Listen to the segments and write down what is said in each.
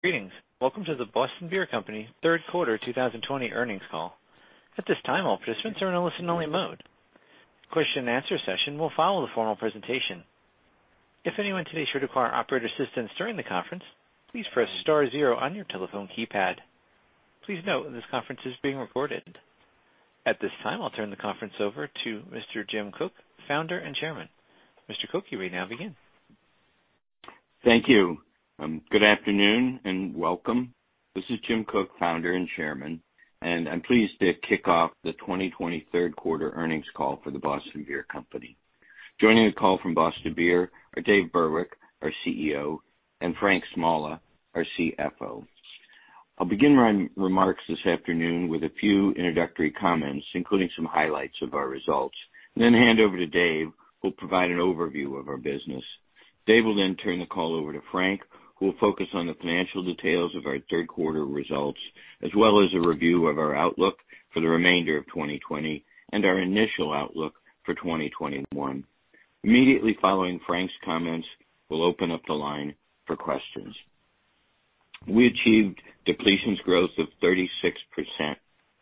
Greetings. Welcome to the Boston Beer Company's third quarter 2020 earnings call. At this time, all participants are in a listen-only mode. The question-and-answer session will follow the formal presentation. If anyone today should require operator assistance during the conference, please press star zero on your telephone keypad. Please note that this conference is being recorded. At this time, I'll turn the conference over to Mr. Jim Koch, founder and chairman. Mr. Koch, you may now begin. Thank you. Good afternoon and welcome. This is Jim Koch, founder and chairman, and I'm pleased to kick off the 2020 third quarter earnings call for the Boston Beer Company. Joining the call from Boston Beer are Dave Burwick, our CEO, and Frank Smalla, our CFO. I'll begin my remarks this afternoon with a few introductory comments, including some highlights of our results, then hand over to Dave, who will provide an overview of our business. Dave will then turn the call over to Frank, who will focus on the financial details of our third quarter results, as well as a review of our outlook for the remainder of 2020 and our initial outlook for 2021. Immediately following Frank's comments, we'll open up the line for questions. We achieved depletion growth of 36%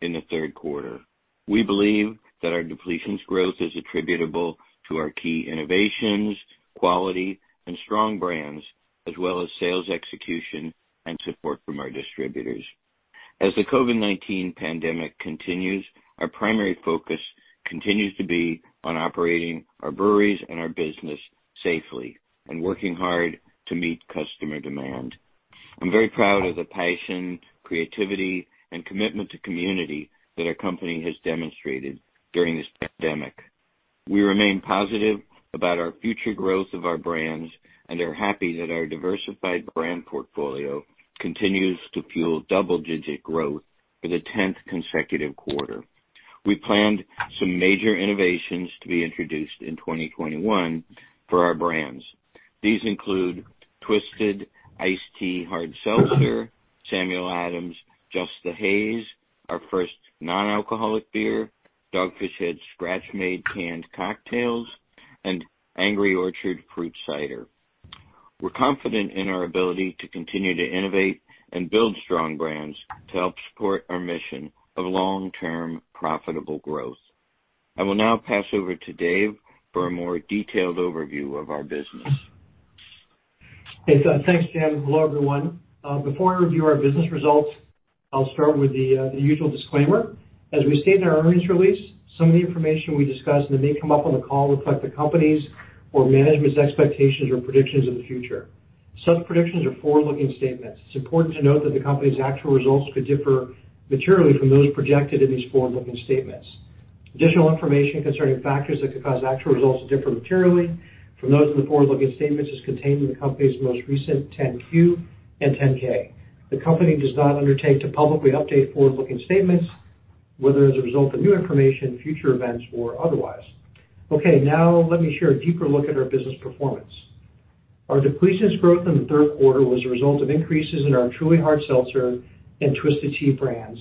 in the third quarter. We believe that our depletion growth is attributable to our key innovations, quality, and strong brands, as well as sales execution and support from our distributors. As the COVID-19 pandemic continues, our primary focus continues to be on operating our breweries and our business safely and working hard to meet customer demand. I'm very proud of the passion, creativity, and commitment to community that our company has demonstrated during this pandemic. We remain positive about our future growth of our brands and are happy that our diversified brand portfolio continues to fuel double-digit growth for the 10th consecutive quarter. We planned some major innovations to be introduced in 2021 for our brands. These include Truly Iced Tea Hard Seltzer, Samuel Adams Just the Haze, our first non-alcoholic beer, Dogfish Head Scratch-Made Canned Cocktails, and Angry Orchard Fruit Cider We're confident in our ability to continue to innovate and build strong brands to help support our mission of long-term profitable growth. I will now pass over to Dave for a more detailed overview of our business. Thanks, Jim. Hello, everyone. Before I review our business results, I'll start with the usual disclaimer. As we stated in our earnings release, some of the information we discuss and that may come up on the call reflect the company's or management's expectations or predictions of the future. Such predictions are forward-looking statements. It's important to note that the company's actual results could differ materially from those projected in these forward-looking statements. Additional information concerning factors that could cause actual results to differ materially from those in the forward-looking statements is contained in the company's most recent 10-Q and 10-K. The company does not undertake to publicly update forward-looking statements, whether as a result of new information, future events, or otherwise. Okay, now let me share a deeper look at our business performance. Our depletion growth in the third quarter was a result of increases in our Truly Hard Seltzer and Twisted Tea brands,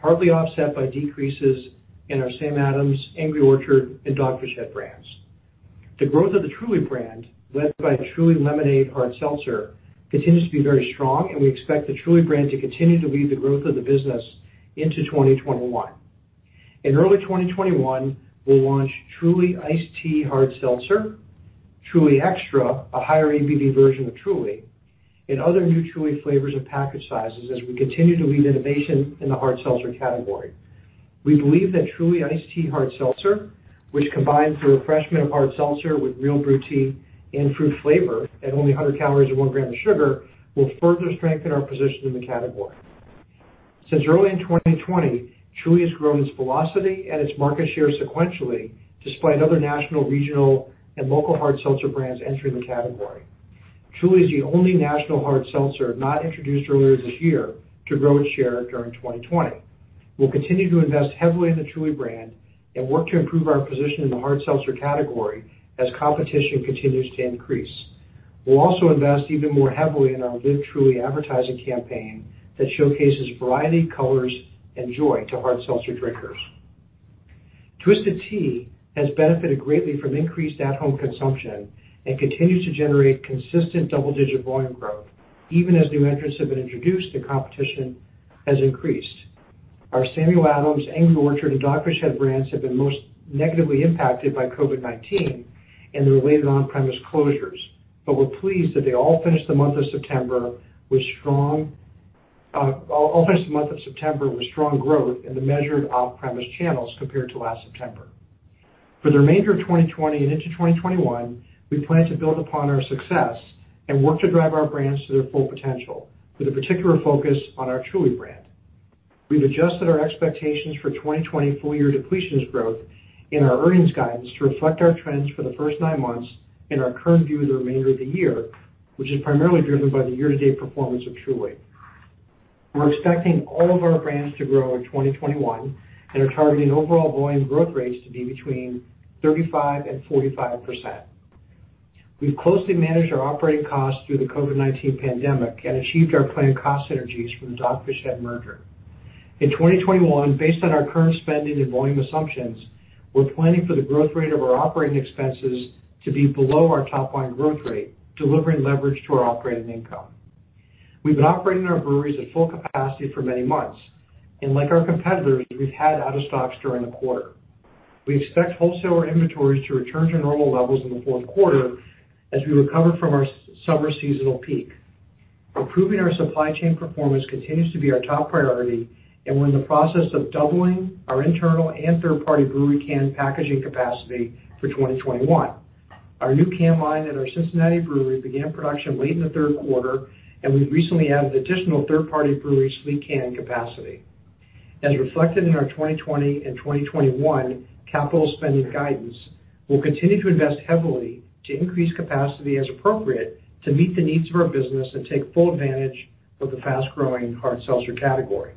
partly offset by decreases in our Sam Adams, Angry Orchard, and Dogfish Head brands. The growth of the Truly brand, led by Truly Lemonade Hard Seltzer, continues to be very strong, and we expect the Truly brand to continue to lead the growth of the business into 2021. In early 2021, we'll launch Truly Iced Tea Hard Seltzer, Truly Extra, a higher ABV version of Truly, and other new Truly flavors and package sizes as we continue to lead innovation in the Hard Seltzer category. We believe that Truly Iced Tea Hard Seltzer, which combines the refreshment of hard seltzer with real brewed tea and fruit flavor at only 100 calories and one gram of sugar, will further strengthen our position in the category. Since early in 2020, Truly has grown its velocity and its market share sequentially, despite other national, regional, and local hard seltzer brands entering the category. Truly is the only national hard seltzer not introduced earlier this year to grow its share during 2020. We'll continue to invest heavily in the Truly brand and work to improve our position in the hard seltzer category as competition continues to increase. We'll also invest even more heavily in our Live Truly advertising campaign that showcases variety, colors, and joy to hard seltzer drinkers. Twisted Tea has benefited greatly from increased at-home consumption and continues to generate consistent double-digit volume growth, even as new entrants have been introduced and competition has increased. Our Samuel Adams, Angry Orchard, and Dogfish Head brands have been most negatively impacted by COVID-19 and the related on-premise closures, but we're pleased that they all finished the month of September with strong growth in the measured off-premise channels compared to last September. For the remainder of 2020 and into 2021, we plan to build upon our success and work to drive our brands to their full potential, with a particular focus on our Truly brand. We've adjusted our expectations for 2020 full-year depletion growth in our earnings guidance to reflect our trends for the first nine months in our current view of the remainder of the year, which is primarily driven by the year-to-date performance of Truly. We're expecting all of our brands to grow in 2021 and are targeting overall volume growth rates to be between 35% and 45%. We've closely managed our operating costs through the COVID-19 pandemic and achieved our planned cost synergies from the Dogfish Head merger. In 2021, based on our current spending and volume assumptions, we're planning for the growth rate of our operating expenses to be below our top-line growth rate, delivering leverage to our operating income. We've been operating our breweries at full capacity for many months, and like our competitors, we've had out-of-stocks during the quarter. We expect wholesale inventories to return to normal levels in the fourth quarter as we recover from our summer seasonal peak. Improving our supply chain performance continues to be our top priority and we're in the process of doubling our internal and third-party brewery can packaging capacity for 2021. Our new can line at our Cincinnati brewery began production late in the third quarter, and we've recently added additional third-party breweries sleek can capacity. As reflected in our 2020 and 2021 capital spending guidance, we'll continue to invest heavily to increase capacity as appropriate to meet the needs of our business and take full advantage of the fast-growing hard seltzer category.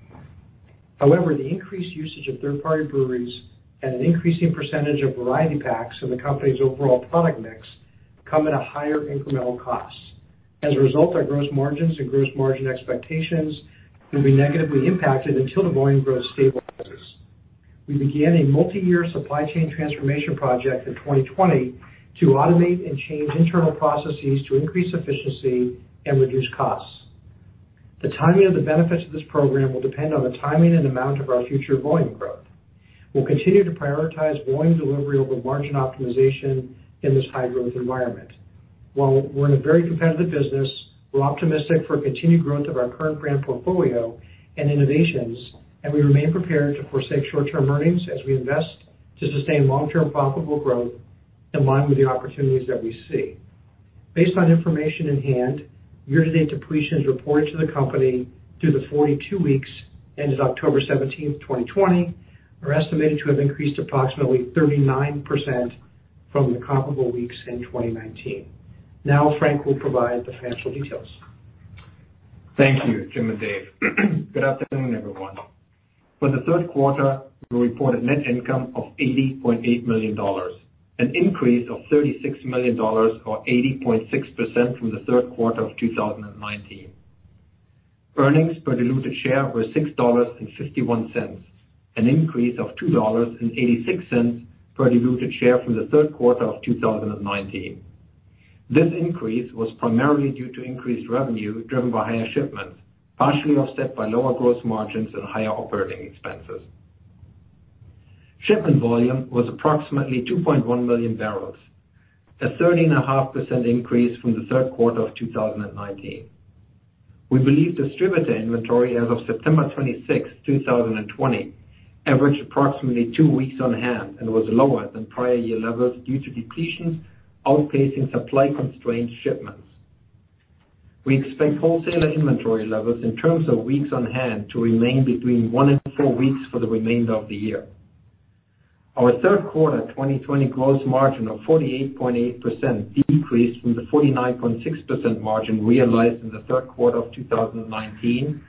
However, the increased usage of third-party breweries and an increasing percentage of variety packs in the company's overall product mix come at a higher incremental cost. As a result, our gross margins and gross margin expectations will be negatively impacted until the volume growth stabilizes. We began a multi-year supply chain transformation project in 2020 to automate and change internal processes to increase efficiency and reduce costs. The timing of the benefits of this program will depend on the timing and amount of our future volume growth. We'll continue to prioritize volume delivery over margin optimization in this high-growth environment. While we're in a very competitive business, we're optimistic for continued growth of our current brand portfolio and innovations, and we remain prepared to foresee short-term earnings as we invest to sustain long-term profitable growth in line with the opportunities that we see. Based on information in hand, year-to-date depletions reported to the company through the 42 weeks ended October 17, 2020, are estimated to have increased approximately 39% from the comparable weeks in 2019. Now, Frank will provide the financial details. Thank you, Jim and Dave. Good afternoon, everyone. For the third quarter, we reported net income of $80.8 million, an increase of $36 million, or 80.6% from the third quarter of 2019. Earnings per diluted share were $6.51, an increase of $2.86 per diluted share from the third quarter of 2019. This increase was primarily due to increased revenue driven by higher shipments, partially offset by lower gross margins and higher operating expenses. Shipment volume was approximately 2.1 million barrels, a 30.5% increase from the third quarter of 2019. We believe distributor inventory as of September 26, 2020, averaged approximately two weeks on hand and was lower than prior year levels due to depletion outpacing supply-constrained shipments. We expect wholesaler inventory levels in terms of weeks on hand to remain between one and four weeks for the remainder of the year. Our third quarter 2020 gross margin of 48.8% decreased from the 49.6% margin realized in the third quarter of 2019,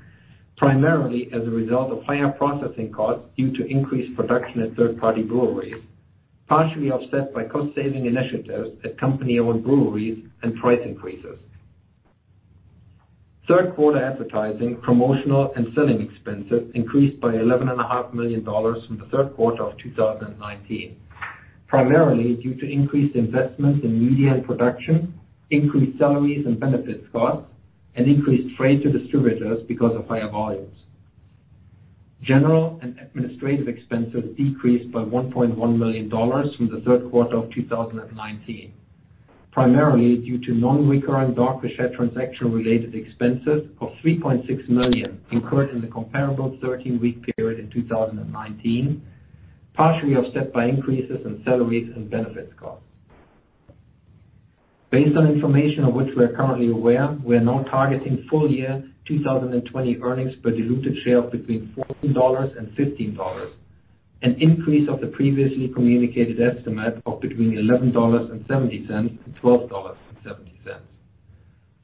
primarily as a result of higher processing costs due to increased production at third-party breweries, partially offset by cost-saving initiatives at company-owned breweries and price increases. Third quarter advertising, promotional, and selling expenses increased by $11.5 million from the third quarter of 2019, primarily due to increased investment in media and production, increased salaries and benefits costs, and increased freight to distributors because of higher volumes. General and administrative expenses decreased by $1.1 million from the third quarter of 2019, primarily due to non-recurring Dogfish Head transaction-related expenses of $3.6 million incurred in the comparable 13-week period in 2019, partially offset by increases in salaries and benefits costs. Based on information of which we are currently aware, we are now targeting full-year 2020 earnings per diluted share between $14 and $15, an increase of the previously communicated estimate of between $11.70 and $12.70.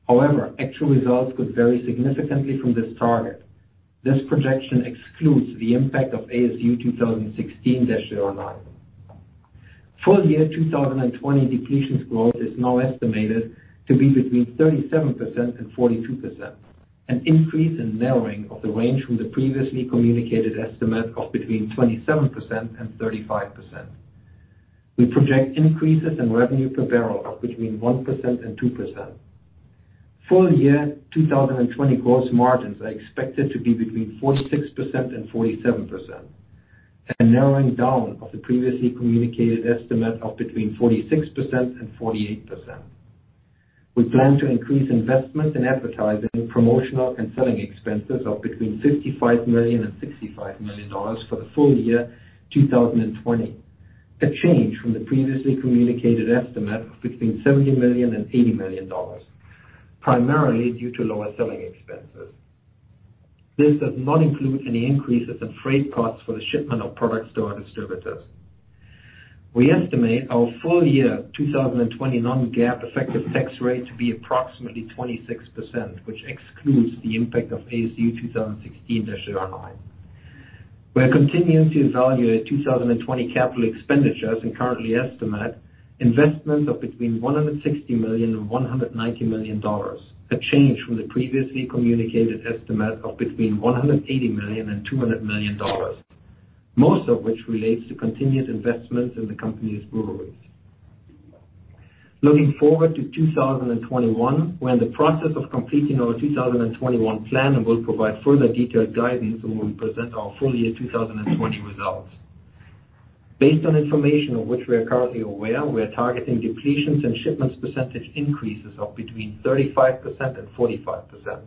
However, actual results could vary significantly from this target. This projection excludes the impact of ASU 2016-09. Full-year 2020 depletion growth is now estimated to be between 37% and 42%, an increase and narrowing of the range from the previously communicated estimate of between 27% and 35%. We project increases in revenue per barrel of between 1% and 2%. Full-year 2020 gross margins are expected to be between 46% and 47%, a narrowing down of the previously communicated estimate of between 46% and 48%. We plan to increase investment in advertising, promotional, and selling expenses of between $55 million and $65 million for the full-year 2020, a change from the previously communicated estimate of between $70 million and $80 million, primarily due to lower selling expenses. This does not include any increases in freight costs for the shipment of products to our distributors. We estimate our full-year 2020 non-GAAP effective tax rate to be approximately 26%, which excludes the impact of ASU 2016-09. We're continuing to evaluate 2020 capital expenditures and currently estimate investments of between $160 million and $190 million, a change from the previously communicated estimate of between $180 million and $200 million, most of which relates to continued investments in the company's breweries. Looking forward to 2021, we're in the process of completing our 2021 plan and will provide further detailed guidance when we present our full-year 2020 results. Based on information of which we are currently aware, we are targeting depletions and shipments percentage increases of between 35% and 45%.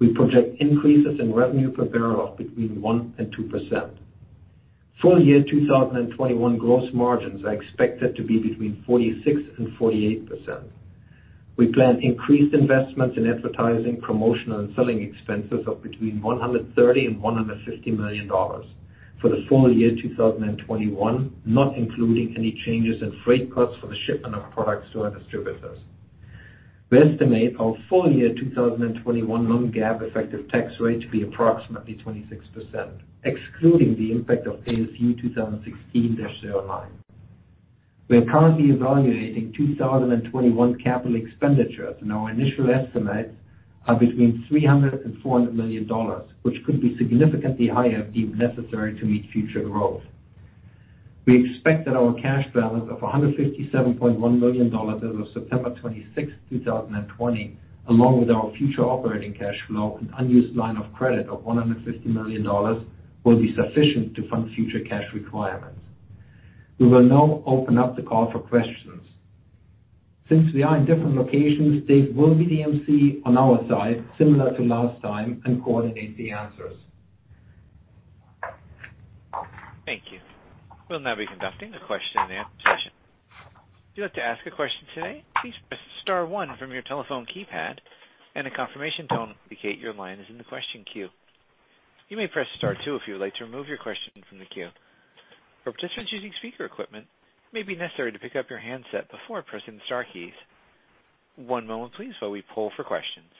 We project increases in revenue per barrel of between 1% and 2%. Full-year 2021 gross margins are expected to be between 46% and 48%. We plan increased investments in advertising, promotional, and selling expenses of between $130 million and $150 million for the full-year 2021, not including any changes in freight costs for the shipment of products to our distributors. We estimate our full-year 2021 non-GAAP effective tax rate to be approximately 26%, excluding the impact of ASU 2016-09. We're currently evaluating 2021 capital expenditures, and our initial estimates are between $300 million and $400 million, which could be significantly higher if deemed necessary to meet future growth. We expect that our cash balance of $157.1 million as of September 26, 2020, along with our future operating cash flow and unused line of credit of $150 million, will be sufficient to fund future cash requirements. We will now open up the call for questions. Since we are in different locations, Dave will be the emcee on our side, similar to last time, and coordinate the answers. Thank you. We'll now be conducting the question-and-answer session. If you'd like to ask a question today, please press star one from your telephone keypad, and a confirmation tone will indicate your line is in the question queue. You may press star two if you would like to remove your question from the queue. For participants using speaker equipment, it may be necessary to pick up your handset before pressing the star keys. One moment, please, while we pull for questions.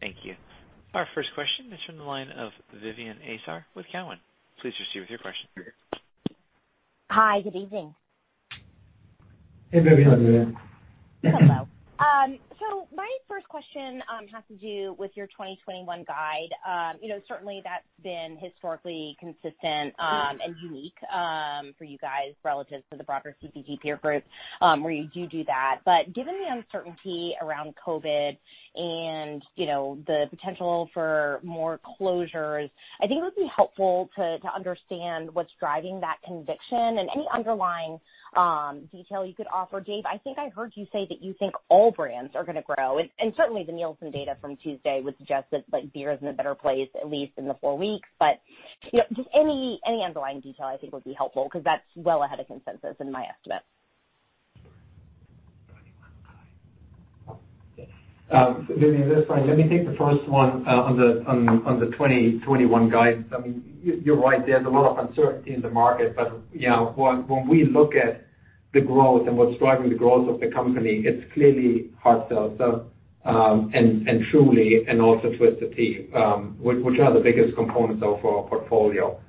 Thank you. Our first question is from the line of Vivien Azer with Cowen. Please proceed with your question. Hi. Good evening. Hey, Vivien. Hello. Hello. So my first question has to do with your 2021 guide. Certainly, that's been historically consistent and unique for you guys relative to the broader CPG peer group, where you do do that. But given the uncertainty around COVID and the potential for more closures, I think it would be helpful to understand what's driving that conviction and any underlying detail you could offer. Dave, I think I heard you say that you think all brands are going to grow. And certainly, the Nielsen data from Tuesday would suggest that beer is in a better place, at least in the four weeks. But just any underlying detail, I think, would be helpful because that's well ahead of consensus in my estimate. Vivien, that's fine. Let me take the first one on the 2021 guide. I mean, you're right. There's a lot of uncertainty in the market. But when we look at the growth and what's driving the growth of the company, it's clearly hard seltzer and Truly and also Twisted Tea, which are the biggest components of our portfolio.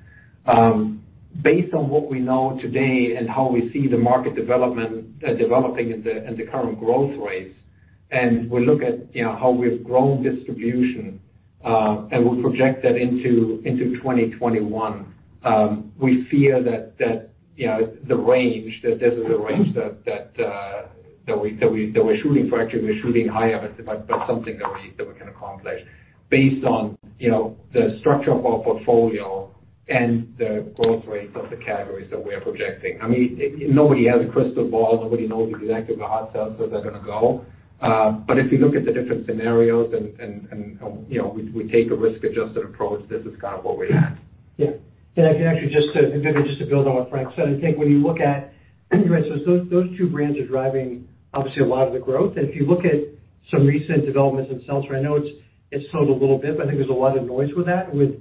Based on what we know today and how we see the market development developing and the current growth rates, and we look at how we've grown distribution and we project that into 2021, we feel that the range, that this is the range that we're shooting for, actually, we're shooting higher, but something that we can accomplish based on the structure of our portfolio and the growth rates of the categories that we are projecting. I mean, nobody has a crystal ball. Nobody knows exactly where hard seltzer is going to go. But if you look at the different scenarios and we take a risk-adjusted approach, this is kind of what we had. Yeah. And I can actually just to build on what Frank said, I think when you look at those two brands are driving, obviously, a lot of the growth. And if you look at some recent developments in sales right now, it's slowed a little bit, but I think there's a lot of noise with that, with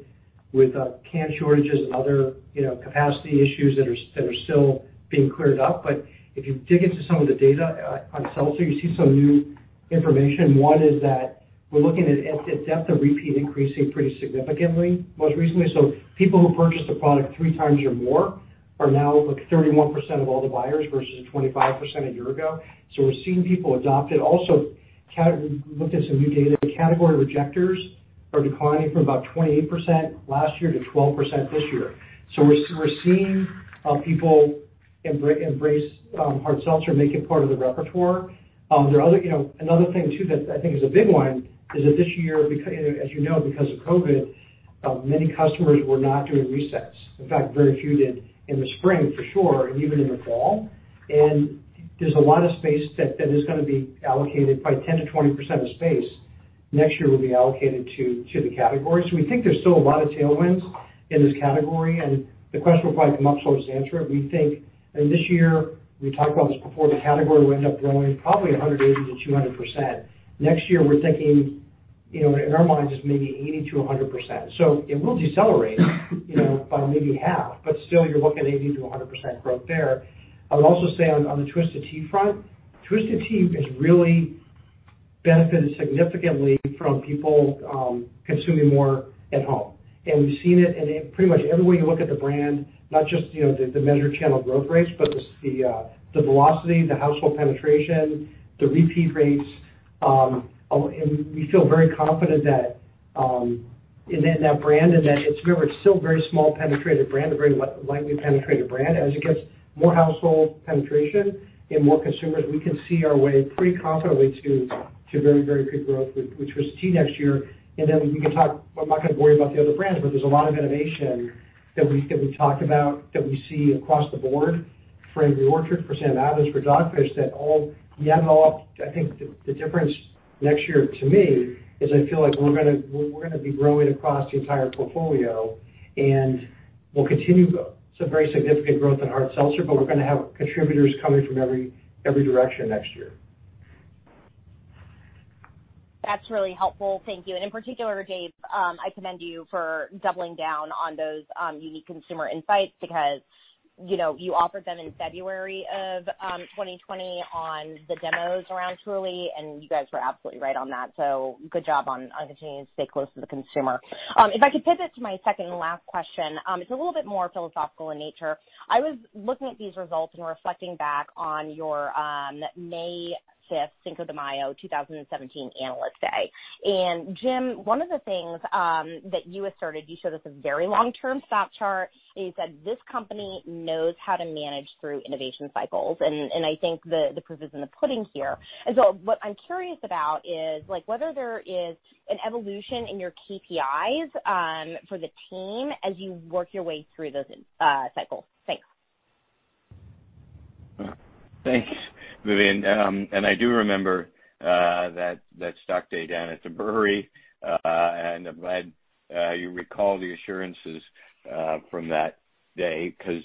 can shortages and other capacity issues that are still being cleared up. But if you dig into some of the data on sales here, you see some new information. One is that we're looking at depth of repeat increasing pretty significantly most recently. So people who purchased a product three times or more are now 31% of all the buyers versus 25% a year ago. So we're seeing people adopt it. Also, we looked at some new data. Category rejectors are declining from about 28% last year to 12% this year. We're seeing people embrace hard seltzers or make it part of the repertoire. Another thing, too, that I think is a big one is that this year, as you know, because of COVID, many customers were not doing resets. In fact, very few did in the spring, for sure, and even in the fall. There's a lot of space that is going to be allocated, probably 10%-20% of space next year will be allocated to the category. We think there's still a lot of tailwinds in this category. The question will probably come up, so I'll answer it. We think, I mean, this year, we talked about this before, the category will end up growing probably 180%-200%. Next year, we're thinking, in our minds, it's maybe 80%-100%. So it will decelerate by maybe half, but still, you're looking at 80%-100% growth there. I would also say on the Twisted Tea front, Twisted Tea has really benefited significantly from people consuming more at home. And we've seen it in pretty much everywhere you look at the brand, not just the measured channel growth rates, but the velocity, the household penetration, the repeat rates. And we feel very confident in that brand and that it's still a very small penetrated brand, a very lightly penetrated brand. As it gets more household penetration and more consumers, we can see our way pretty confidently to very, very good growth with Twisted Tea next year. And then we can talk. I'm not going to worry about the other brands, but there's a lot of innovation that we talked about that we see across the board for Angry Orchard, for Sam Adams, for Dogfish, that all we added up. I think the difference next year to me is I feel like we're going to be growing across the entire portfolio, and we'll continue some very significant growth in hard seltzers, but we're going to have contributors coming from every direction next year. That's really helpful. Thank you. And in particular, Dave, I commend you for doubling down on those unique consumer insights because you offered them in February of 2020 on the demos around Truly, and you guys were absolutely right on that. So good job on continuing to stay close to the consumer. If I could pivot to my second and last question, it's a little bit more philosophical in nature. I was looking at these results and reflecting back on your May 5th Cinco de Mayo 2017 analyst day. And Jim, one of the things that you asserted, you showed us a very long-term stock chart. You said, "This company knows how to manage through innovation cycles." And I think the proof is in the pudding here. And so what I'm curious about is whether there is an evolution in your KPIs for the team as you work your way through those cycles. Thanks. Thanks, Vivien. And I do remember that stock day down at the brewery, and I'm glad you recall the assurances from that day because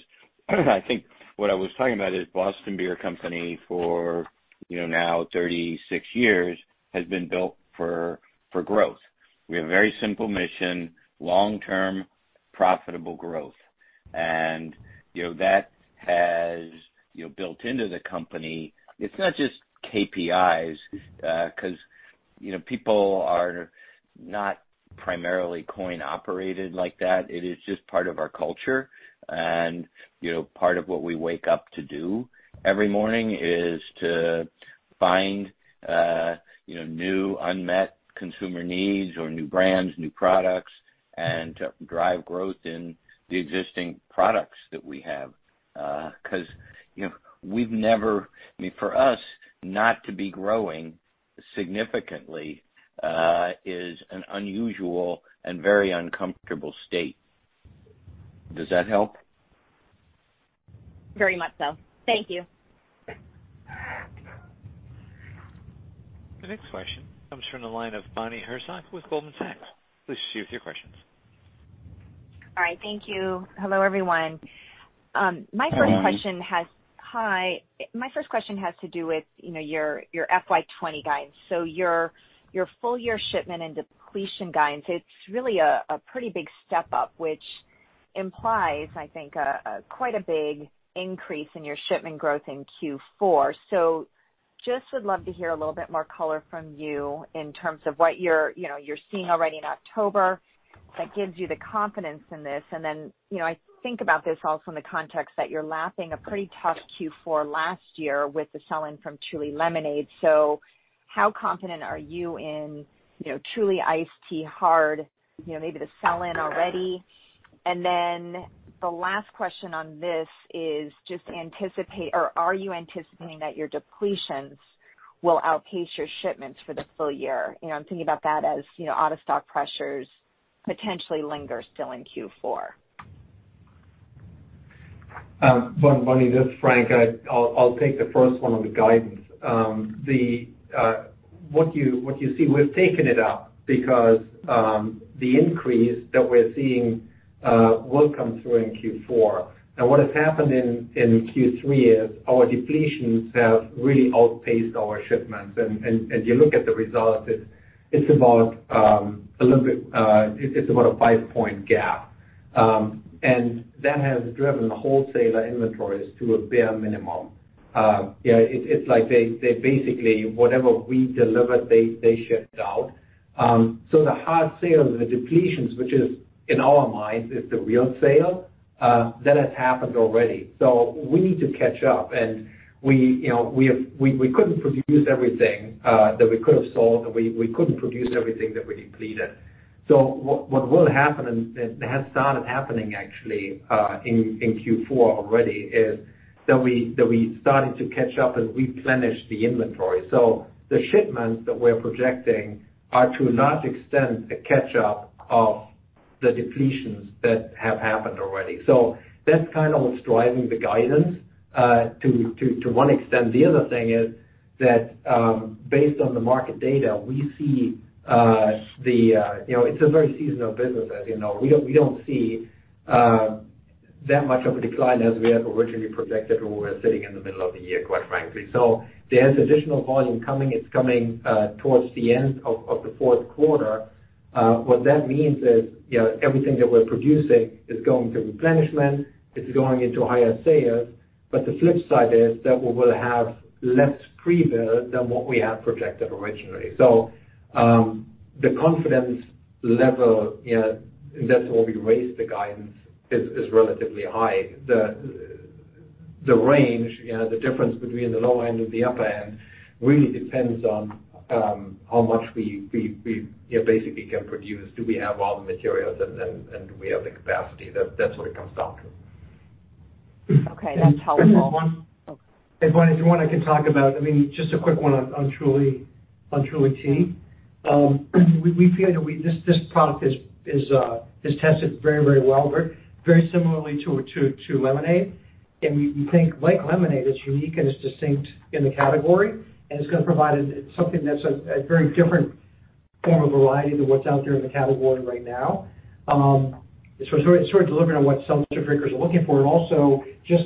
I think what I was talking about is Boston Beer Company for now 36 years has been built for growth. We have a very simple mission: long-term profitable growth. And that has built into the company. It's not just KPIs because people are not primarily coin-operated like that. It is just part of our culture. And part of what we wake up to do every morning is to find new unmet consumer needs or new brands, new products, and to drive growth in the existing products that we have because we've never—I mean, for us, not to be growing significantly is an unusual and very uncomfortable state. Does that help? Very much so. Thank you. The next question comes from the line of Bonnie Herzog with Goldman Sachs. Please proceed with your questions. All right. Thank you. Hello, everyone. Hi. My first question has to do with your FY 2020 guidance. So your full-year shipment and depletion guidance, it's really a pretty big step up, which implies, I think, quite a big increase in your shipment growth in Q4. So just would love to hear a little bit more color from you in terms of what you're seeing already in October that gives you the confidence in this. And then I think about this also in the context that you're lapping a pretty tough Q4 last year with the sell-in from Truly Lemonade. So how confident are you in Truly Iced Tea Hard, maybe the sell-in already? And then the last question on this is, or are you anticipating that your depletions will outpace your shipments for the full year? I'm thinking about that as out-of-stock pressures potentially linger still in Q4. Bonnie, this is Frank. I'll take the first one on the guidance. What you see, we've taken it up because the increase that we're seeing will come through in Q4, and what has happened in Q3 is our depletions have really outpaced our shipments. And you look at the results, it's about a five-point gap. And that has driven wholesaler inventories to a bare minimum. It's like they basically, whatever we deliver, they ship out. So the hard sales, the depletions, which is, in our minds, the real sale, that has happened already. So we need to catch up. And we couldn't produce everything that we could have sold, and we couldn't produce everything that we depleted. So what will happen, and it has started happening, actually, in Q4 already, is that we started to catch up and replenish the inventory. So the shipments that we're projecting are, to a large extent, a catch-up of the depletions that have happened already. So that's kind of what's driving the guidance to one extent. The other thing is that based on the market data, we see the, it's a very seasonal business, as you know. We don't see that much of a decline as we had originally projected when we were sitting in the middle of the year, quite frankly. So there's additional volume coming. It's coming towards the end of the fourth quarter. What that means is everything that we're producing is going to replenishment. It's going into higher sales. But the flip side is that we will have less pre-build than what we had projected originally. So the confidence level, and that's why we raised the guidance, is relatively high. The range, the difference between the lower end and the upper end, really depends on how much we basically can produce. Do we have all the materials, and do we have the capacity? That's what it comes down to. Okay. That's helpful. And one, if you want, I can talk about, I mean, just a quick one on Truly Tea. We feel this product is tested very, very well, very similarly to lemonade. And we think, like lemonade, it's unique and it's distinct in the category. And it's going to provide something that's a very different form of variety than what's out there in the category right now. So it's sort of delivering on what sellers are looking for. And also, just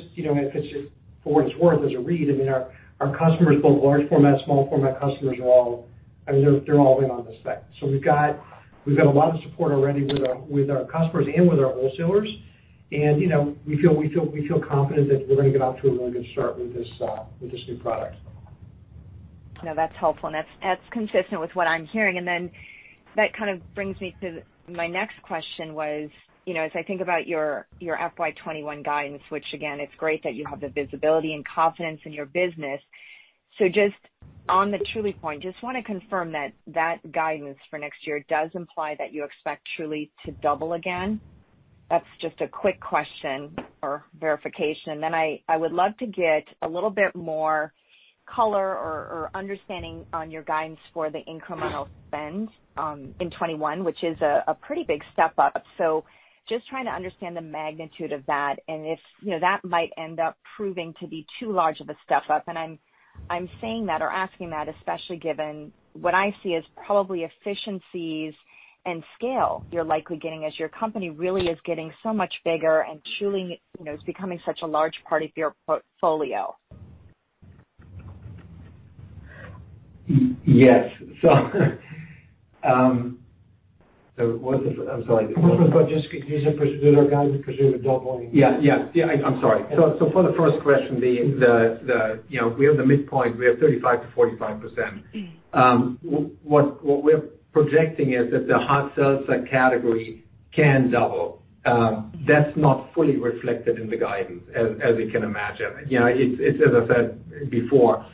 for what it's worth, as a read, I mean, our customers, both large-format, small-format customers, are all, I mean, they're all in on this thing. So we've got a lot of support already with our customers and with our wholesalers. And we feel confident that we're going to get off to a really good start with this new product. No, that's helpful. And that's consistent with what I'm hearing. And then that kind of brings me to my next question was, as I think about your FY 2021 guidance, which, again, it's great that you have the visibility and confidence in your business. So just on the Truly point, just want to confirm that that guidance for next year does imply that you expect Truly to double again. That's just a quick question or verification. And then I would love to get a little bit more color or understanding on your guidance for the incremental spend in 2021, which is a pretty big step up. So just trying to understand the magnitude of that and if that might end up proving to be too large of a step up. I'm saying that or asking that, especially given what I see as probably efficiencies and scale you're likely getting as your company really is getting so much bigger and Truly is becoming such a large part of your portfolio. Yes. So what's. I'm sorry. What's the question? These are guidance because we have a doubling. Yeah, I'm sorry. So for the first question, we have the midpoint. We have 35%-45%. What we're projecting is that the hard seltzer category can double. That's not fully reflected in the guidance, as you can imagine. It's, as I said before,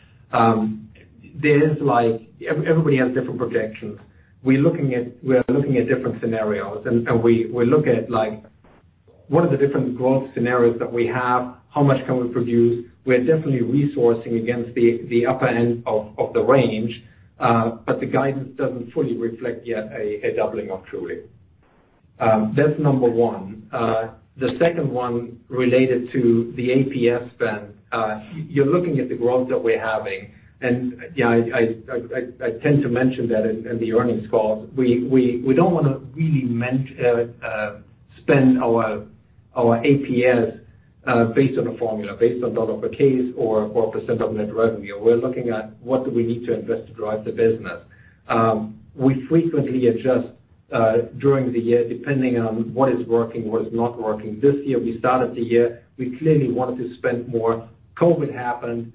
there's like everybody has different projections. We're looking at different scenarios. And we look at what are the different growth scenarios that we have, how much can we produce. We're definitely resourcing against the upper end of the range, but the guidance doesn't fully reflect yet a doubling of Truly. That's number one. The second one related to the APS spend, you're looking at the growth that we're having. And I tend to mention that in the earnings calls. We don't want to really spend our APS based on a formula, based on dollar per case or percent of net revenue. We're looking at what do we need to invest to drive the business. We frequently adjust during the year depending on what is working, what is not working. This year, we started the year. We clearly wanted to spend more. COVID happened.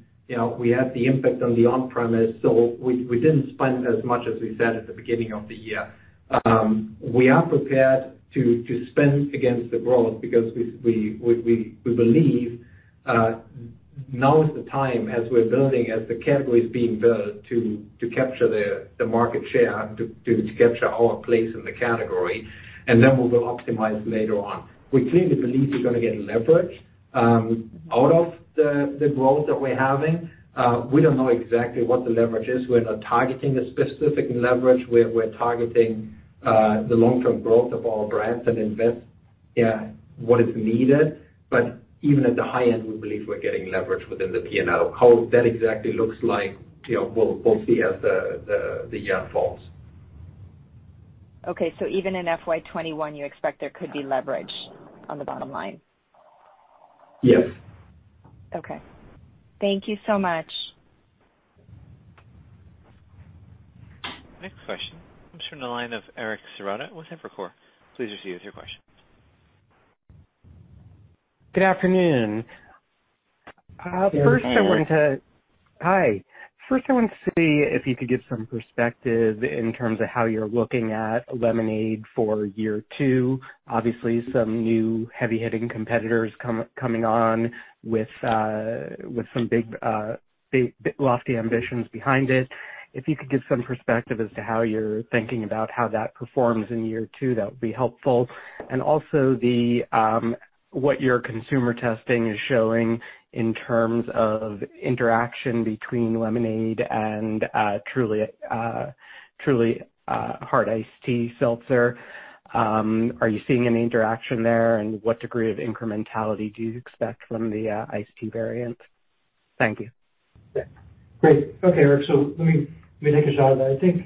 We had the impact on the on-premise. So we didn't spend as much as we said at the beginning of the year. We are prepared to spend against the growth because we believe now is the time as we're building, as the category is being built, to capture the market share, to capture our place in the category. And then we will optimize later on. We clearly believe we're going to get leverage out of the growth that we're having. We don't know exactly what the leverage is. We're not targeting a specific leverage. We're targeting the long-term growth of our brands and invest what is needed. But even at the high end, we believe we're getting leverage within the P&L. How that exactly looks like, we'll see as the year unfolds. Okay. So even in FY 2021, you expect there could be leverage on the bottom line? Yes. Okay. Thank you so much. Next question. I'm serving the line of Eric Serotta with Evercore. Please proceed with your question. Good afternoon. First, I wanted to. Good afternoon. Hi. First, I wanted to see if you could give some perspective in terms of how you're looking at lemonade for year two. Obviously, some new heavy-hitting competitors coming on with some big lofty ambitions behind it. If you could give some perspective as to how you're thinking about how that performs in year two, that would be helpful. And also what your consumer testing is showing in terms of interaction between lemonade and Truly Iced Tea Hard Seltzer. Are you seeing any interaction there? And what degree of incrementality do you expect from the Iced Tea variant? Thank you. Yeah. Great. Okay, Eric. So let me take a shot at that. I think,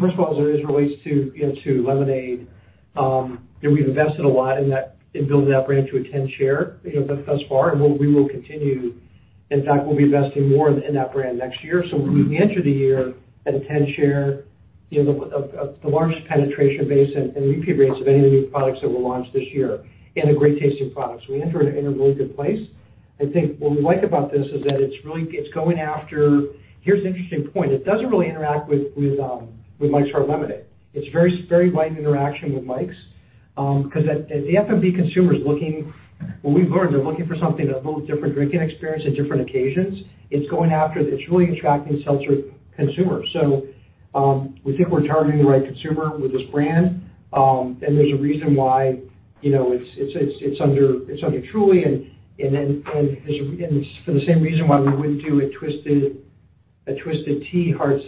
first of all, as it relates to lemonade, we've invested a lot in building that brand to a 10% share thus far. And we will continue. In fact, we'll be investing more in that brand next year. So we entered the year at a 10% share, the largest penetration base, and repeat rates of any of the new products that we'll launch this year and the great-tasting products. We entered in a really good place. I think what we like about this is that it's going after, here's an interesting point. It doesn't really interact with Mike's Hard Lemonade. It's a very light interaction with Mike's because the FMB consumer is looking, well, we've learned they're looking for something a little different drinking experience at different occasions. It's going after, it's really attracting seltzer consumers. So we think we're targeting the right consumer with this brand. And there's a reason why it's under Truly. And for the same reason why we wouldn't do a Twisted Tea Hard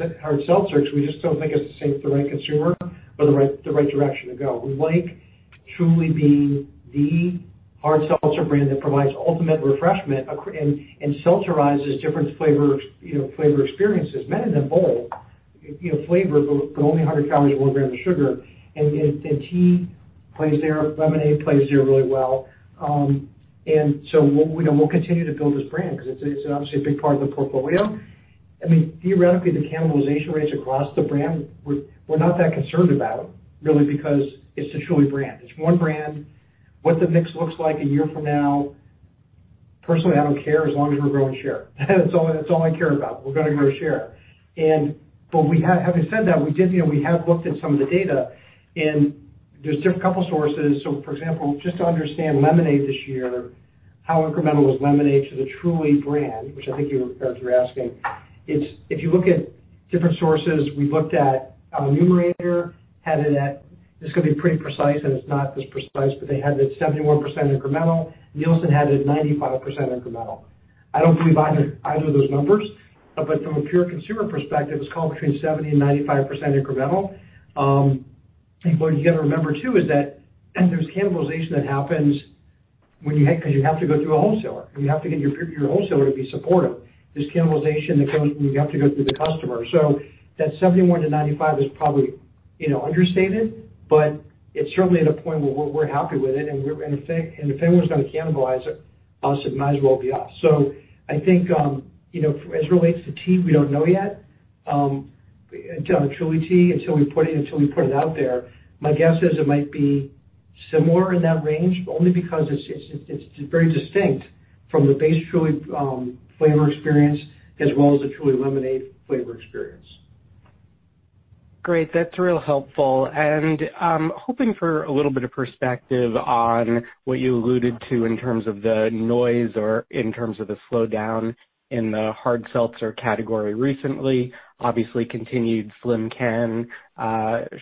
Seltzer because we just don't think it's the right consumer or the right direction to go. We like Truly being the hard seltzer brand that provides ultimate refreshment and seltzerizes different flavor experiences, many of them bold flavor, but only 100 calories, one gram of sugar. And tea plays there. Lemonade plays there really well. And so we'll continue to build this brand because it's obviously a big part of the portfolio. I mean, theoretically, the cannibalization rates across the brand, we're not that concerned about, really, because it's the Truly brand. It's one brand. What the mix looks like a year from now, personally, I don't care as long as we're growing share. That's all I care about. We're going to grow share. But having said that, we have looked at some of the data. There's a couple of sources. So for example, just to understand lemonade this year, how incremental was lemonade to the Truly brand, which I think you were asking. If you look at different sources, we've looked at Numerator had it at, it's going to be pretty precise, and it's not this precise, but they had it at 71% incremental. Nielsen had it at 95% incremental. I don't believe either of those numbers. But from a pure consumer perspective, it's called between 70% and 95% incremental. And what you got to remember too is that there's cannibalization that happens because you have to go through a wholesaler. You have to get your wholesaler to be supportive. There's cannibalization that goes when you have to go through the customer. So that 71-95 is probably understated, but it's certainly at a point where we're happy with it. And if anyone's going to cannibalize us, it might as well be us. So I think as it relates to tea, we don't know yet. Truly Tea, until we put it out there, my guess is it might be similar in that range, only because it's very distinct from the base Truly flavor experience as well as the Truly Lemonade flavor experience. Great. That's real helpful. And hoping for a little bit of perspective on what you alluded to in terms of the noise or in terms of the slowdown in the hard seltzer category recently. Obviously, continued slim can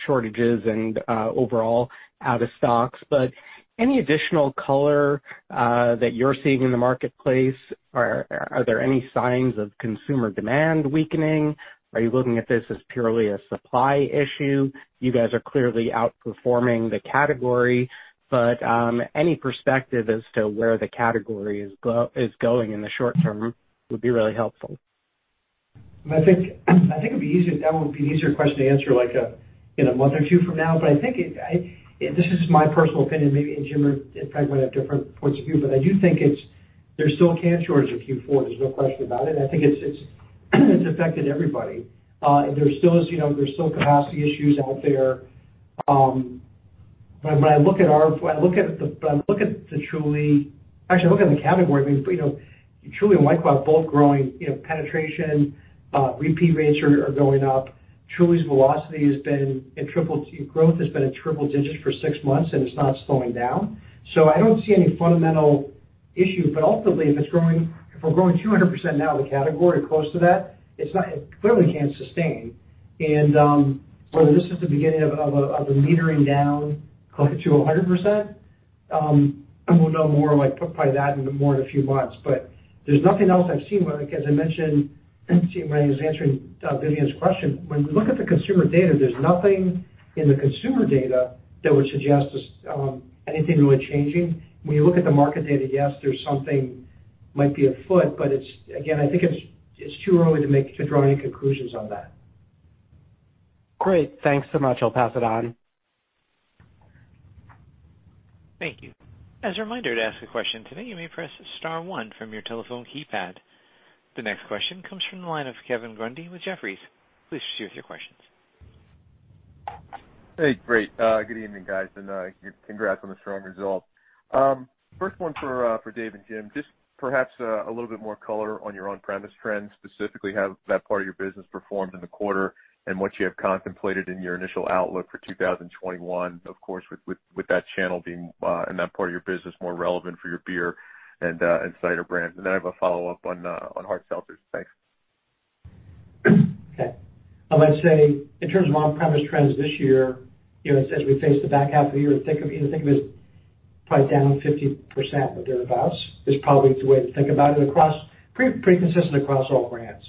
shortages and overall out of stocks. But any additional color that you're seeing in the marketplace? Are there any signs of consumer demand weakening? Are you looking at this as purely a supply issue? You guys are clearly outperforming the category. But any perspective as to where the category is going in the short term would be really helpful. I think it would be an easier question to answer in a month or two from now. But I think this is just my personal opinion. Maybe Jim or Frank might have different points of view. But I do think there's still a can shortage in Q4. There's no question about it. I think it's affected everybody. There's still capacity issues out there. But when I look at our, I look at the Truly. Actually, I look at the category. I mean, Truly and White Claw are both growing. Penetration, repeat rates are going up. Truly's velocity has been, growth has been at triple digits for six months, and it's not slowing down. So I don't see any fundamental issue. But ultimately, if we're growing 200% now of the category or close to that, it clearly can't sustain. Whether this is the beginning of a metering down to 100%, we'll know more probably that and more in a few months. There's nothing else I've seen. As I mentioned, I was answering Vivien's question. When we look at the consumer data, there's nothing in the consumer data that would suggest anything really changing. When you look at the market data, yes, there's something that might be afoot. Again, I think it's too early to draw any conclusions on that. Great. Thanks so much. I'll pass it on. Thank you. As a reminder to ask a question today, you may press star one from your telephone keypad. The next question comes from the line of Kevin Grundy with Jefferies. Please proceed with your questions. Hey, great. Good evening, guys, and congrats on the strong result. First one for Dave and Jim. Just perhaps a little bit more color on your on-premise trends, specifically how that part of your business performed in the quarter and what you have contemplated in your initial outlook for 2021, of course, with that channel being in that part of your business more relevant for your beer and cider brands, and then I have a follow-up on hard seltzers. Thanks. Okay. I might say in terms of on-premise trends this year, as we face the back half of the year, think of it as probably down 50% or thereabouts is probably the way to think about it. Pretty consistent across all brands.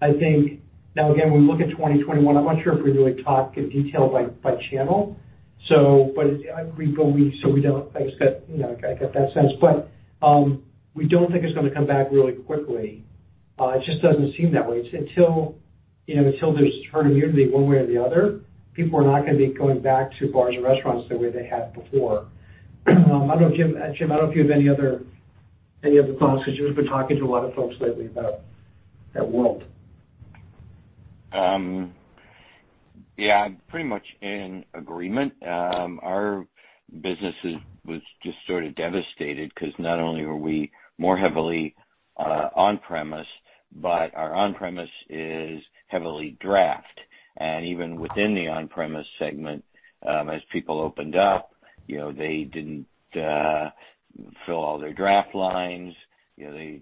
I think now, again, we look at 2021. I'm not sure if we really talk in detail by channel, but I agree, but I guess I got that sense, but we don't think it's going to come back really quickly. It just doesn't seem that way. Until there's herd immunity one way or the other, people are not going to be going back to bars and restaurants the way they had before. I don't know, Jim. Jim, I don't know if you have any other thoughts because you've been talking to a lot of folks lately about that world. Yeah. I'm pretty much in agreement. Our business was just sort of devastated because not only were we more heavily on-premise, but our on-premise is heavily draft. And even within the on-premise segment, as people opened up, they didn't fill all their draft lines. They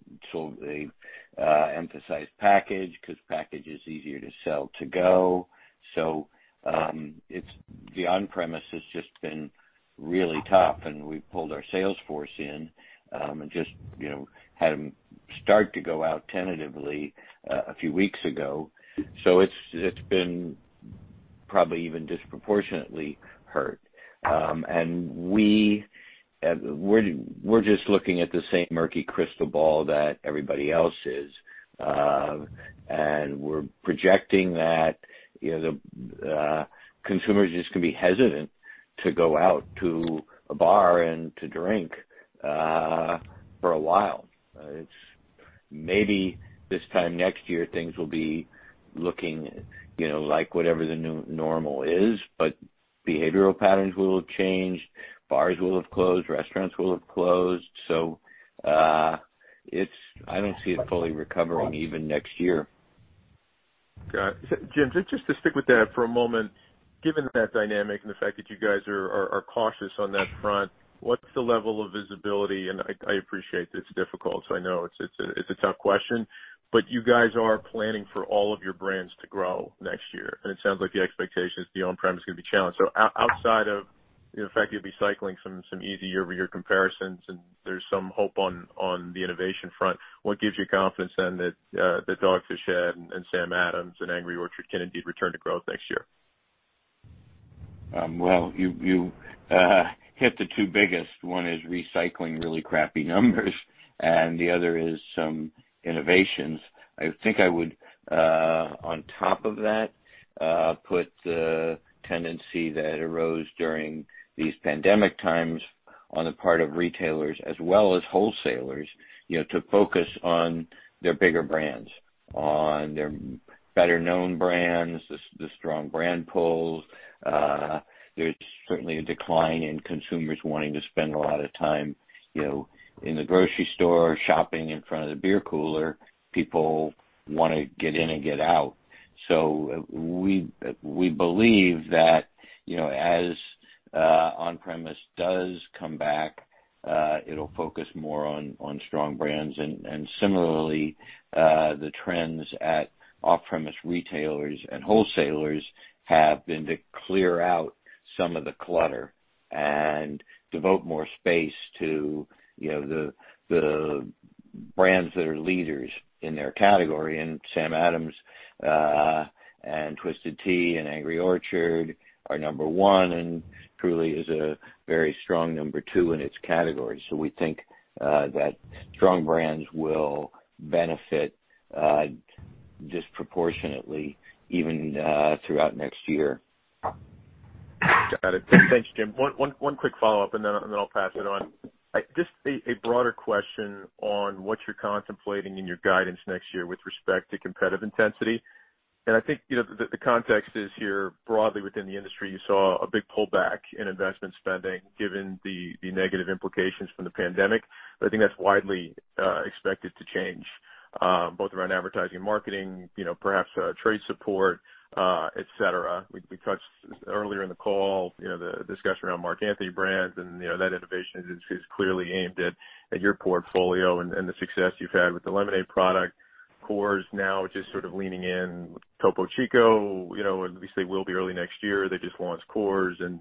emphasized package because package is easier to sell to go. So the on-premise has just been really tough. And we pulled our sales force in and just had them start to go out tentatively a few weeks ago. So it's been probably even disproportionately hurt. And we're just looking at the same murky crystal ball that everybody else is. And we're projecting that consumers just can be hesitant to go out to a bar and to drink for a while. Maybe this time next year, things will be looking like whatever the normal is, but behavioral patterns will have changed. Bars will have closed. Restaurants will have closed, so I don't see it fully recovering even next year. Got it. Jim, just to stick with that for a moment. Given that dynamic and the fact that you guys are cautious on that front, what's the level of visibility? And I appreciate that it's difficult. So I know it's a tough question. But you guys are planning for all of your brands to grow next year. And it sounds like the expectation is the on-prem is going to be challenged. So outside of the fact that you'll be cycling some easy year-over-year comparisons and there's some hope on the innovation front, what gives you confidence then that the Dogfish Head and Sam Adams and Angry Orchard can indeed return to growth next year? Well, you hit the two biggest. One is recycling really crappy numbers, and the other is some innovations. I think I would, on top of that, put the tendency that arose during these pandemic times on the part of retailers as well as wholesalers to focus on their bigger brands, on their better-known brands, the strong brand pull. There's certainly a decline in consumers wanting to spend a lot of time in the grocery store shopping in front of the beer cooler. People want to get in and get out. So we believe that as on-premise does come back, it'll focus more on strong brands. And similarly, the trends at off-premise retailers and wholesalers have been to clear out some of the clutter and devote more space to the brands that are leaders in their category. Samuel Adams and Twisted Tea and Angry Orchard are number one and Truly is a very strong number two in its category. We think that strong brands will benefit disproportionately even throughout next year. Got it. Thanks, Jim. One quick follow-up, and then I'll pass it on. Just a broader question on what you're contemplating in your guidance next year with respect to competitive intensity. And I think the context is here broadly within the industry. You saw a big pullback in investment spending given the negative implications from the pandemic. But I think that's widely expected to change, both around advertising and marketing, perhaps trade support, etc. We touched earlier in the call, the discussion around Mark Anthony Brands, and that innovation is clearly aimed at your portfolio and the success you've had with the lemonade product. Coors now just sort of leaning in. Topo Chico. At least they will be early next year. They just launched Coors and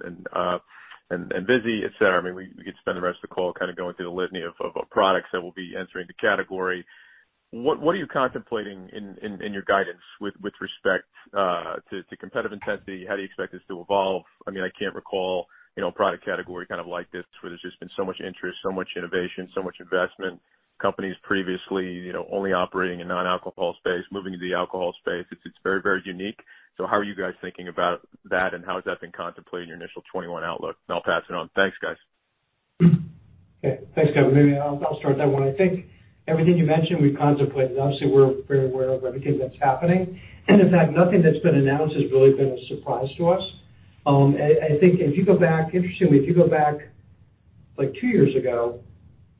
Vizzy, etc. I mean, we could spend the rest of the call kind of going through the litany of products that will be entering the category. What are you contemplating in your guidance with respect to competitive intensity? How do you expect this to evolve? I mean, I can't recall a product category kind of like this where there's just been so much interest, so much innovation, so much investment, companies previously only operating in non-alcohol space, moving into the alcohol space. It's very, very unique. So how are you guys thinking about that, and how has that been contemplated in your initial 2021 outlook? And I'll pass it on. Thanks, guys. Okay. Thanks, Kevin. Maybe I'll start that one. I think everything you mentioned, we've contemplated. Obviously, we're very aware of everything that's happening. And in fact, nothing that's been announced has really been a surprise to us. I think if you go back, interestingly, if you go back two years ago,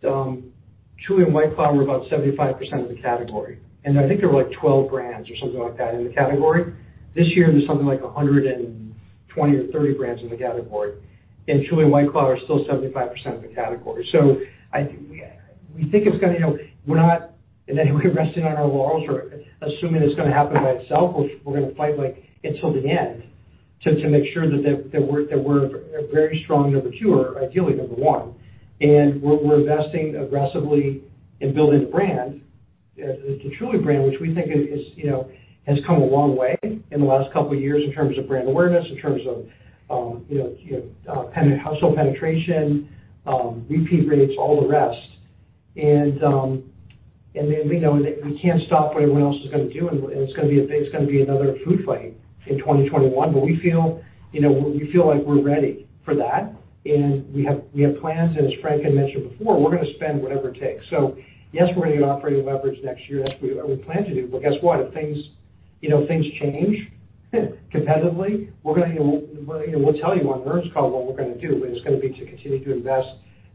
Truly and White Claw were about 75% of the category. And I think there were like 12 brands or something like that in the category. This year, there's something like 120 or 30 brands in the category. And Truly and White Claw are still 75% of the category. So we think it's going to, we're not in any way resting on our laurels or assuming it's going to happen by itself. We're going to fight until the end to make sure that we're a very strong number two or ideally number one. And we're investing aggressively in building the brand, the Truly brand, which we think has come a long way in the last couple of years in terms of brand awareness, in terms of household penetration, repeat rates, all the rest. And we can't stop what everyone else is going to do. And it's going to be another food fight in 2021. But we feel like we're ready for that. And we have plans. And as Frank had mentioned before, we're going to spend whatever it takes. So yes, we're going to get operating leverage next year. That's what we plan to do. But guess what? If things change competitively, we're going to—we'll tell you on the earnings call what we're going to do. But it's going to be to continue to invest.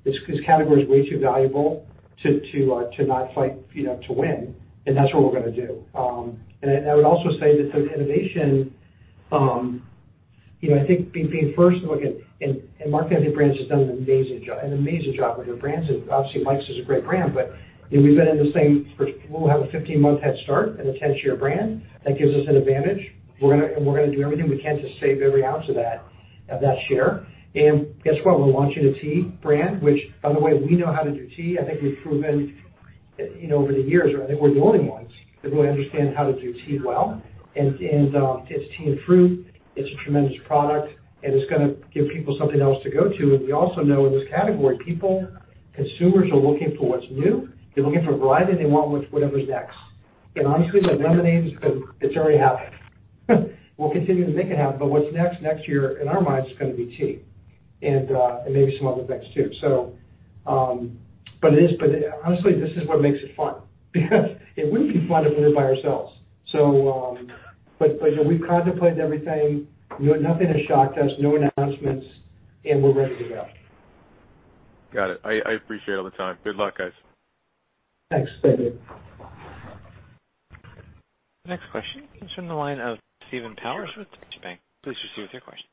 This category is way too valuable to not fight to win. And that's what we're going to do. I would also say that the innovation, I think, being first and looking at – and Mark Anthony Brands has done an amazing job, an amazing job with their brands. Obviously, Mike's is a great brand. But we've been in the same – we'll have a 15-month head start in a 10-share brand. That gives us an advantage. We're going to do everything we can to save every ounce of that share. Guess what? We're launching a tea brand, which, by the way, we know how to do tea. I think we've proven over the years that we're the only ones that really understand how to do tea well. It's tea and fruit. It's a tremendous product. It's going to give people something else to go to. We also know in this category, people, consumers are looking for what's new. They're looking for variety, and they want whatever's next. And honestly, like lemonade, it's already happened. We'll continue to make it happen. But what's next next year, in our minds, is going to be tea and maybe some other things too. But honestly, this is what makes it fun. It wouldn't be fun if we were by ourselves. But we've contemplated everything. Nothing has shocked us. No announcements. And we're ready to go. Got it. I appreciate all the time. Good luck, guys. Thanks. Thank you. Next question is from the line of Steven Powers with Deutsche Bank. Please proceed with your question.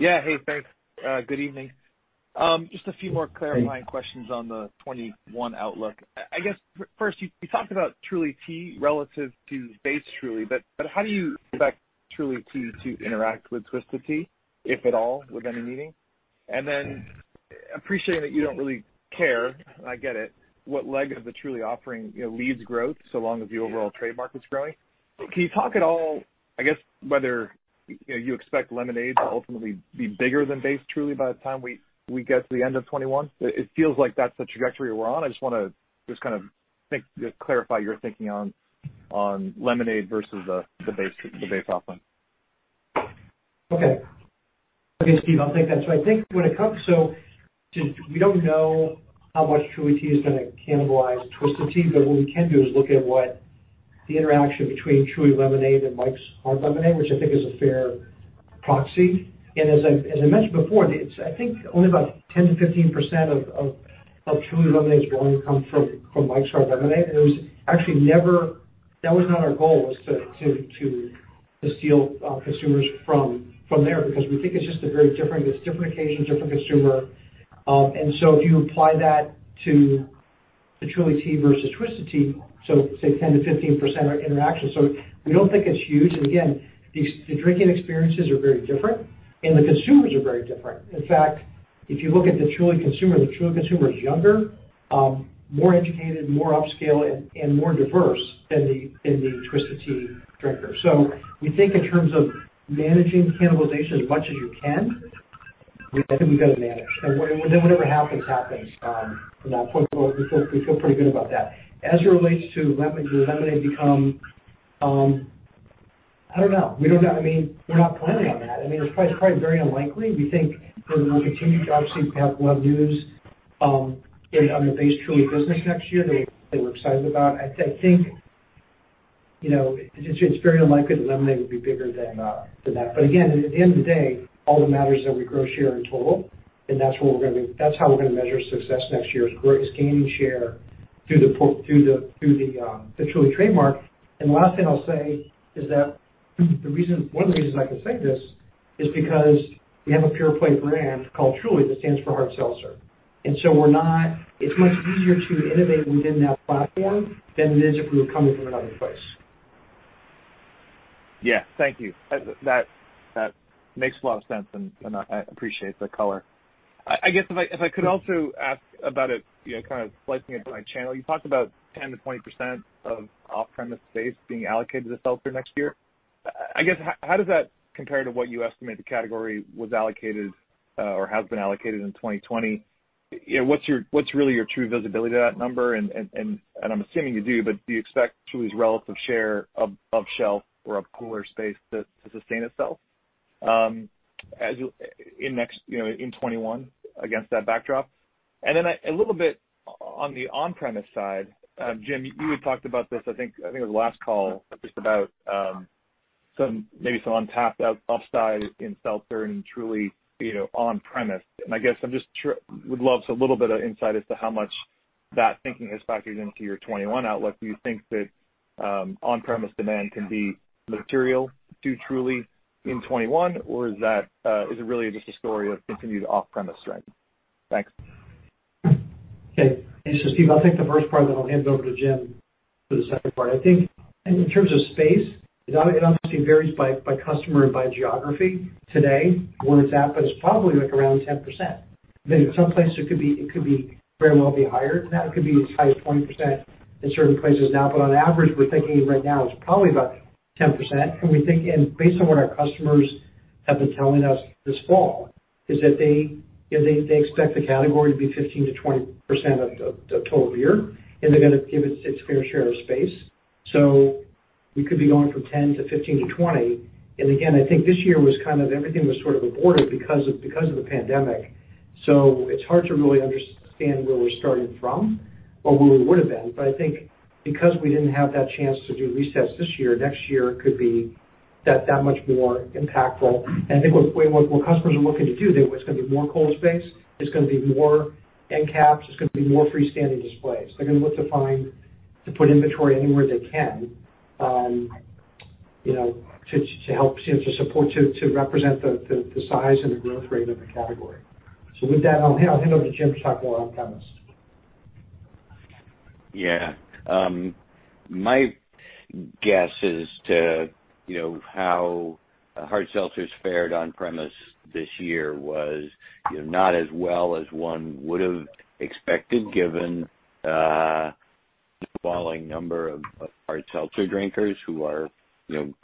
Yeah. Hey, thanks. Good evening. Just a few more clarifying questions on the 2021 outlook. I guess first, you talked about Truly Tea relative to base Truly. But how do you expect Truly Tea to interact with Twisted Tea, if at all, with any meeting? And then appreciating that you don't really care, I get it, what leg of the Truly offering leads growth so long as the overall trade market's growing. Can you talk at all, I guess, whether you expect lemonade to ultimately be bigger than base Truly by the time we get to the end of 2021? It feels like that's the trajectory we're on. I just want to just kind of clarify your thinking on lemonade versus the base offering. Okay. Okay, Steve, I'll take that straight. I think when it comes to, we don't know how much Truly Tea is going to cannibalize Twisted Tea. But what we can do is look at the interaction between Truly Lemonade and Mike's Hard Lemonade, which I think is a fair proxy. And as I mentioned before, I think only about 10%-15% of Truly Lemonade's volume comes from Mike's Hard Lemonade. And it was actually never. That was not our goal, was to steal consumers from there because we think it's just a very different. It's different occasion, different consumer. And so if you apply that to Truly Tea versus Twisted Tea, so say 10%-15% interaction. So we don't think it's huge. And again, the drinking experiences are very different. And the consumers are very different. In fact, if you look at the Truly consumer, the Truly consumer is younger, more educated, more upscale, and more diverse than the Twisted Tea drinker. So we think in terms of managing cannibalization as much as you can, I think we've got to manage. And then whatever happens, happens. And we feel pretty good about that. As it relates to lemonade becoming, I don't know. I mean, we're not planning on that. I mean, it's probably very unlikely. We think that we'll continue to obviously have news on the base Truly business next year that we're excited about. I think it's very unlikely that lemonade would be bigger than that. But again, at the end of the day, all that matters is that we grow share in total. And that's where we're going to be - that's how we're going to measure success next year is gaining share through the Truly trademark. The last thing I'll say is that one of the reasons I can say this is because we have a pure play brand called Truly that stands for hard seltzer. So it's much easier to innovate within that platform than it is if we were coming from another place. Yeah. Thank you. That makes a lot of sense. And I appreciate the color. I guess if I could also ask about it, kind of slicing it by channel, you talked about 10%-20% of off-premise space being allocated to seltzer next year. I guess how does that compare to what you estimate the category was allocated or has been allocated in 2020? What's really your true visibility to that number? And I'm assuming you do, but do you expect Truly's relative share of shelf or of cooler space to sustain itself in 2021 against that backdrop? And then a little bit on the on-premise side, Jim, you had talked about this, I think, on the last call, just about maybe some untapped upside in seltzer and Truly on-premise. I guess I just would love a little bit of insight as to how much that thinking has factored into your 2021 outlook. Do you think that on-premise demand can be material to Truly in 2021, or is it really just a story of continued off-premise strength? Thanks. Okay. So, Steve, I'll take the first part, then I'll hand it over to Jim for the second part. I think in terms of space, it obviously varies by customer and by geography today where it's at, but it's probably around 10%. I mean, in some places, it could very well be higher. Now, it could be as high as 20% in certain places now. But on average, we're thinking right now it's probably about 10%. And based on what our customers have been telling us this fall is that they expect the category to be 15%-20% of total beer. And they're going to give it its fair share of space. So we could be going from 10%-15%-20%. And again, I think this year was kind of everything was sort of aborted because of the pandemic. So it's hard to really understand where we're starting from or where we would have been. But I think because we didn't have that chance to do resets this year, next year could be that much more impactful. And I think what customers are looking to do, it's going to be more cold space. It's going to be more end caps. It's going to be more freestanding displays. They're going to look to find to put inventory anywhere they can to help to support to represent the size and the growth rate of the category. So with that, I'll hand it over to Jim to talk more on-premise. Yeah. My guess as to how hard seltzer's fared on-premise this year was not as well as one would have expected given the sprawling number of hard seltzer drinkers who are going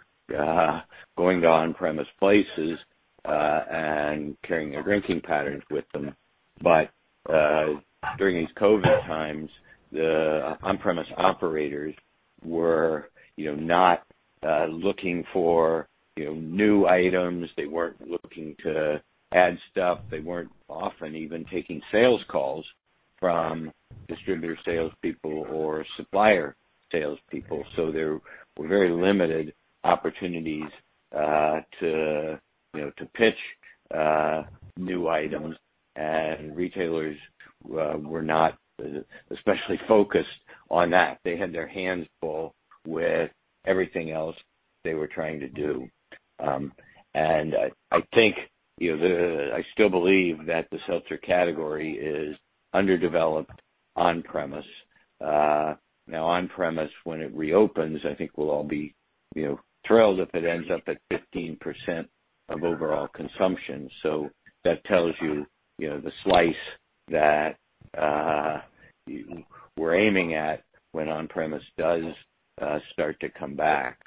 to on-premise places and carrying their drinking patterns with them. But during these COVID times, the on-premise operators were not looking for new items. They weren't looking to add stuff. They weren't often even taking sales calls from distributor salespeople or supplier salespeople. So there were very limited opportunities to pitch new items. And retailers were not especially focused on that. They had their hands full with everything else they were trying to do. And I think I still believe that the seltzer category is underdeveloped on-premise. Now, on-premise, when it reopens, I think we'll all be thrilled if it ends up at 15% of overall consumption. So that tells you the slice that we're aiming at when on-premise does start to come back.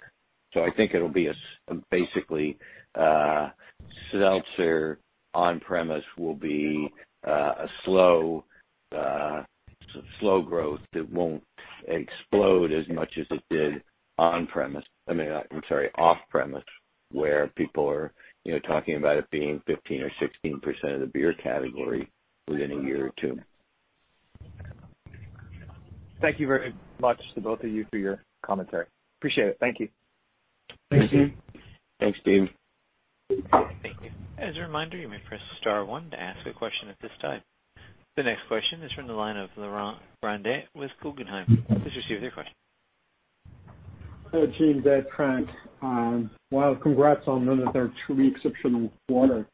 So I think it'll be basically seltzer on-premise will be a slow growth that won't explode as much as it did on-premise. I mean, I'm sorry, off-premise, where people are talking about it being 15% or 16% of the beer category within a year or two. Thank you very much to both of you for your commentary. Appreciate it. Thank you. Thanks, Steve. Thanks, Steve. Thank you. As a reminder, you may press star one to ask a question at this time. The next question is from the line of Laurent Grandet with Guggenheim. Please proceed with your question. Hello, Jim. Frank. Well, congrats on another Truly exceptional quarter.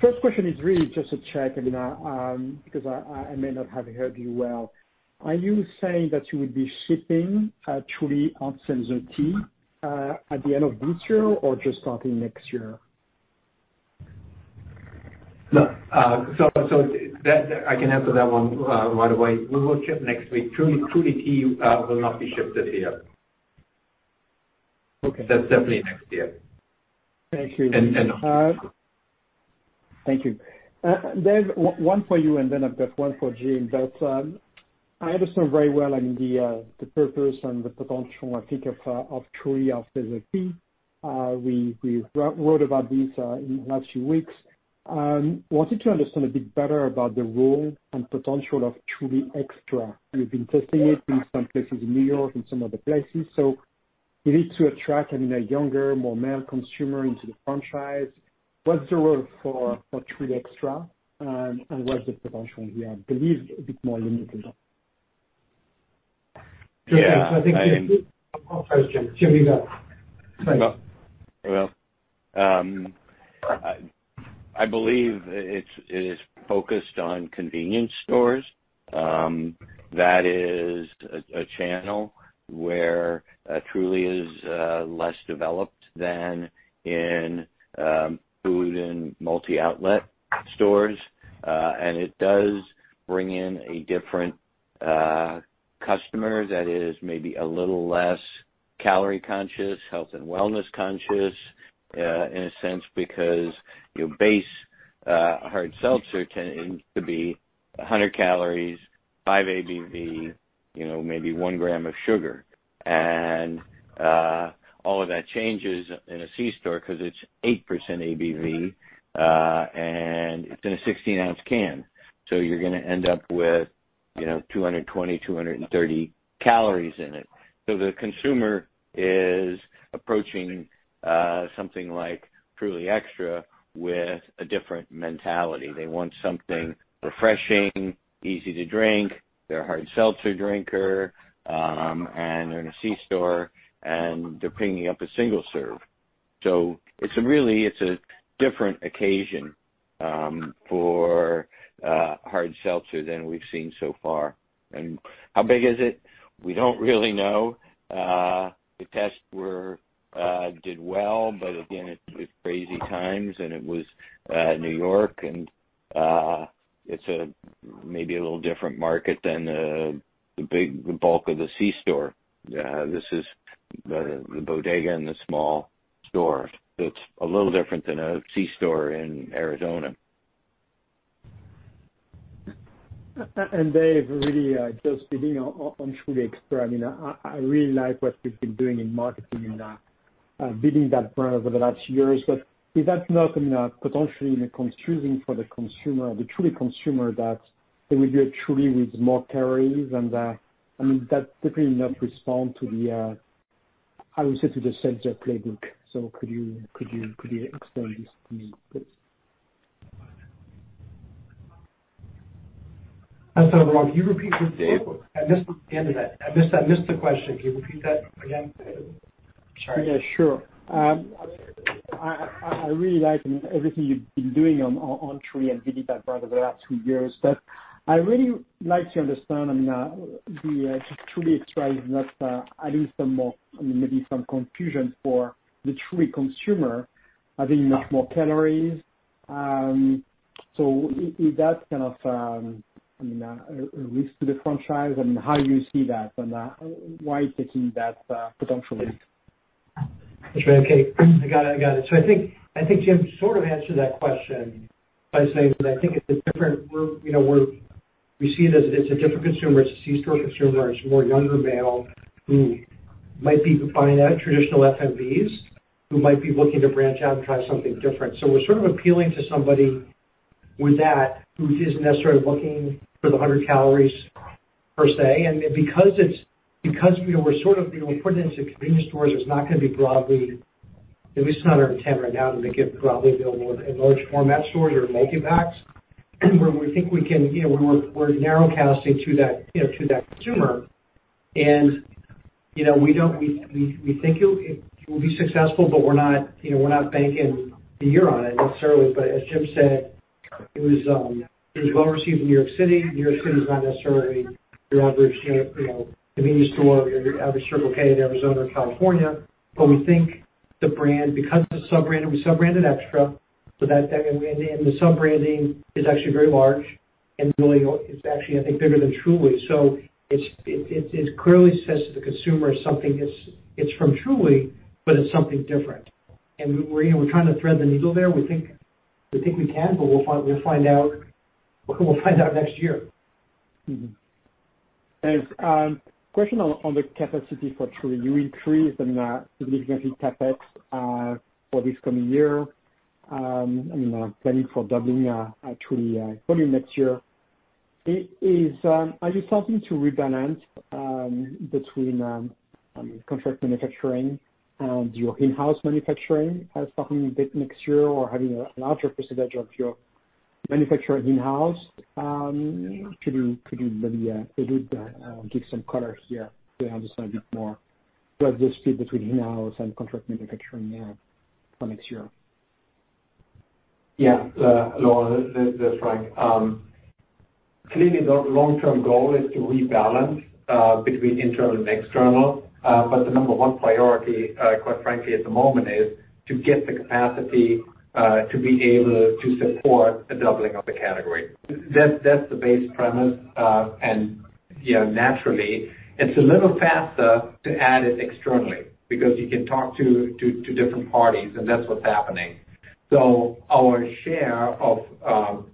First question is really just a check because I may not have heard you well. Are you saying that you would be shipping Truly Iced Tea Hard Seltzer at the end of this year or just starting next year? No. So I can answer that one right away. We will ship next week. Truly Tea will not be shipped this year. That's definitely next year. Thank you. And. Thank you. Dave, one for you, and then I've got one for Jim, but I understand very well the purpose and the potential, I think, of Truly iced tea. We wrote about this in the last few weeks. I wanted to understand a bit better about the role and potential of Truly Extra. You've been testing it in some places in New York and some other places, so you need to attract a younger, more male consumer into the franchise. What's the role for Truly Extra? And what's the potential here? I believe a bit more limited. Yeah, so I think. One more question. Jim. You go. Thanks. I believe it is focused on convenience stores. That is a channel where Truly is less developed than in food and multi-outlet stores. It does bring in a different customer that is maybe a little less calorie-conscious, health and wellness-conscious in a sense because base hard seltzer tends to be 100 calories, 5% ABV, maybe one gram of sugar. All of that changes in a C-store because it's 8% ABV. It's in a 16-ounce can. You're going to end up with 220-230 calories in it. The consumer is approaching something like Truly Extra with a different mentality. They want something refreshing, easy to drink. They're a hard seltzer drinker. They're in a C-store. They're picking up a single serve. It's a different occasion for hard seltzer than we've seen so far. How big is it? We don't really know. The tests did well, but again, it's crazy times, and it was New York, and it's maybe a little different market than the bulk of the C-store. This is the bodega and the small store. It's a little different than a C-store in Arizona. And Dave, really, just building on Truly Extra, I mean, I really like what we've been doing in marketing and building that brand over the last years. But is that not potentially confusing for the consumer, the Truly consumer, that it would be a Truly with more calories? And I mean, that's definitely not responsive to the, I would say, to the seltzer playbook. So could you explain this to me, please? I'm sorry, Laurent. Can you repeat the question? I missed the question. Can you repeat that again? Yeah. Sure. I really like everything you've been doing on Truly and building that brand over the last two years. But I really like to understand, I mean, the Truly Extra is not adding some more, maybe some confusion for the Truly consumer, adding much more calories. So is that kind of, I mean, a risk to the franchise? I mean, how do you see that? And why taking that potential risk? Okay. I got it. I got it. So I think Jim sort of answered that question by saying that I think it's different. We see it as it's a different consumer. It's a C-store consumer. It's a more younger male who might be buying traditional FMBs, who might be looking to branch out and try something different. So we're sort of appealing to somebody with that who isn't necessarily looking for the 100 calories per se. And because we're sort of putting it into convenience stores, it's not going to be broadly, at least not our intent right now, to make it broadly available in large format stores or multi-packs, where we think we can. We're narrowcasting to that consumer. And we think it will be successful, but we're not banking the year on it necessarily. But as Jim said, it was well received in New York City. New York City is not necessarily your average convenience store, your average Circle K in Arizona or California, but we think the brand, because it's sub-branded, we sub-branded extra, and the sub-branding is actually very large, and it's actually, I think, bigger than Truly, so it clearly says to the consumer it's from Truly, but it's something different, and we're trying to thread the needle there. We think we can, but we'll find out next year. Dave, question on the capacity for Truly. You increased significantly CapEx for this coming year. I mean, planning for doubling Truly next year. Are you starting to rebalance between contract manufacturing and your in-house manufacturing starting a bit next year or having a larger percentage of your manufacturing in-house? Could you maybe give some color here to understand a bit more what's the split between in-house and contract manufacturing for next year? Yeah. Laurent, this is Frank. Clearly, the long-term goal is to rebalance between internal and external, but the number one priority, quite frankly, at the moment is to get the capacity to be able to support a doubling of the category. That's the base premise, and naturally, it's a little faster to add it externally because you can talk to different parties, and that's what's happening, so our share of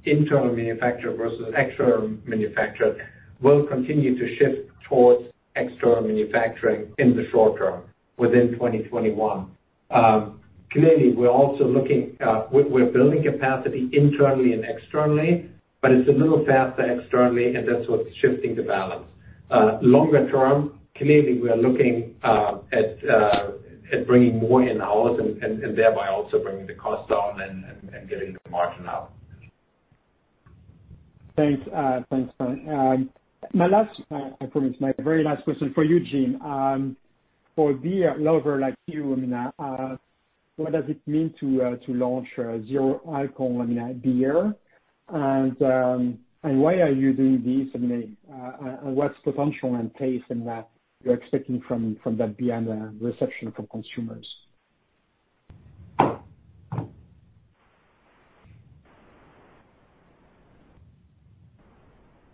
internal manufacturer versus external manufacturer will continue to shift towards external manufacturing in the short term within 2021. Clearly, we're also looking. We're building capacity internally and externally, but it's a little faster externally, and that's what's shifting the balance. Longer term, clearly, we're looking at bringing more in-house and thereby also bringing the cost down and getting the margin up. Thanks. Thanks, Frank. My very last question for you, Jim. For a beer lover like you, I mean, what does it mean to launch zero-alcohol beer? And why are you doing this? And what's potential and taste that you're expecting from that beer and the reception from consumers?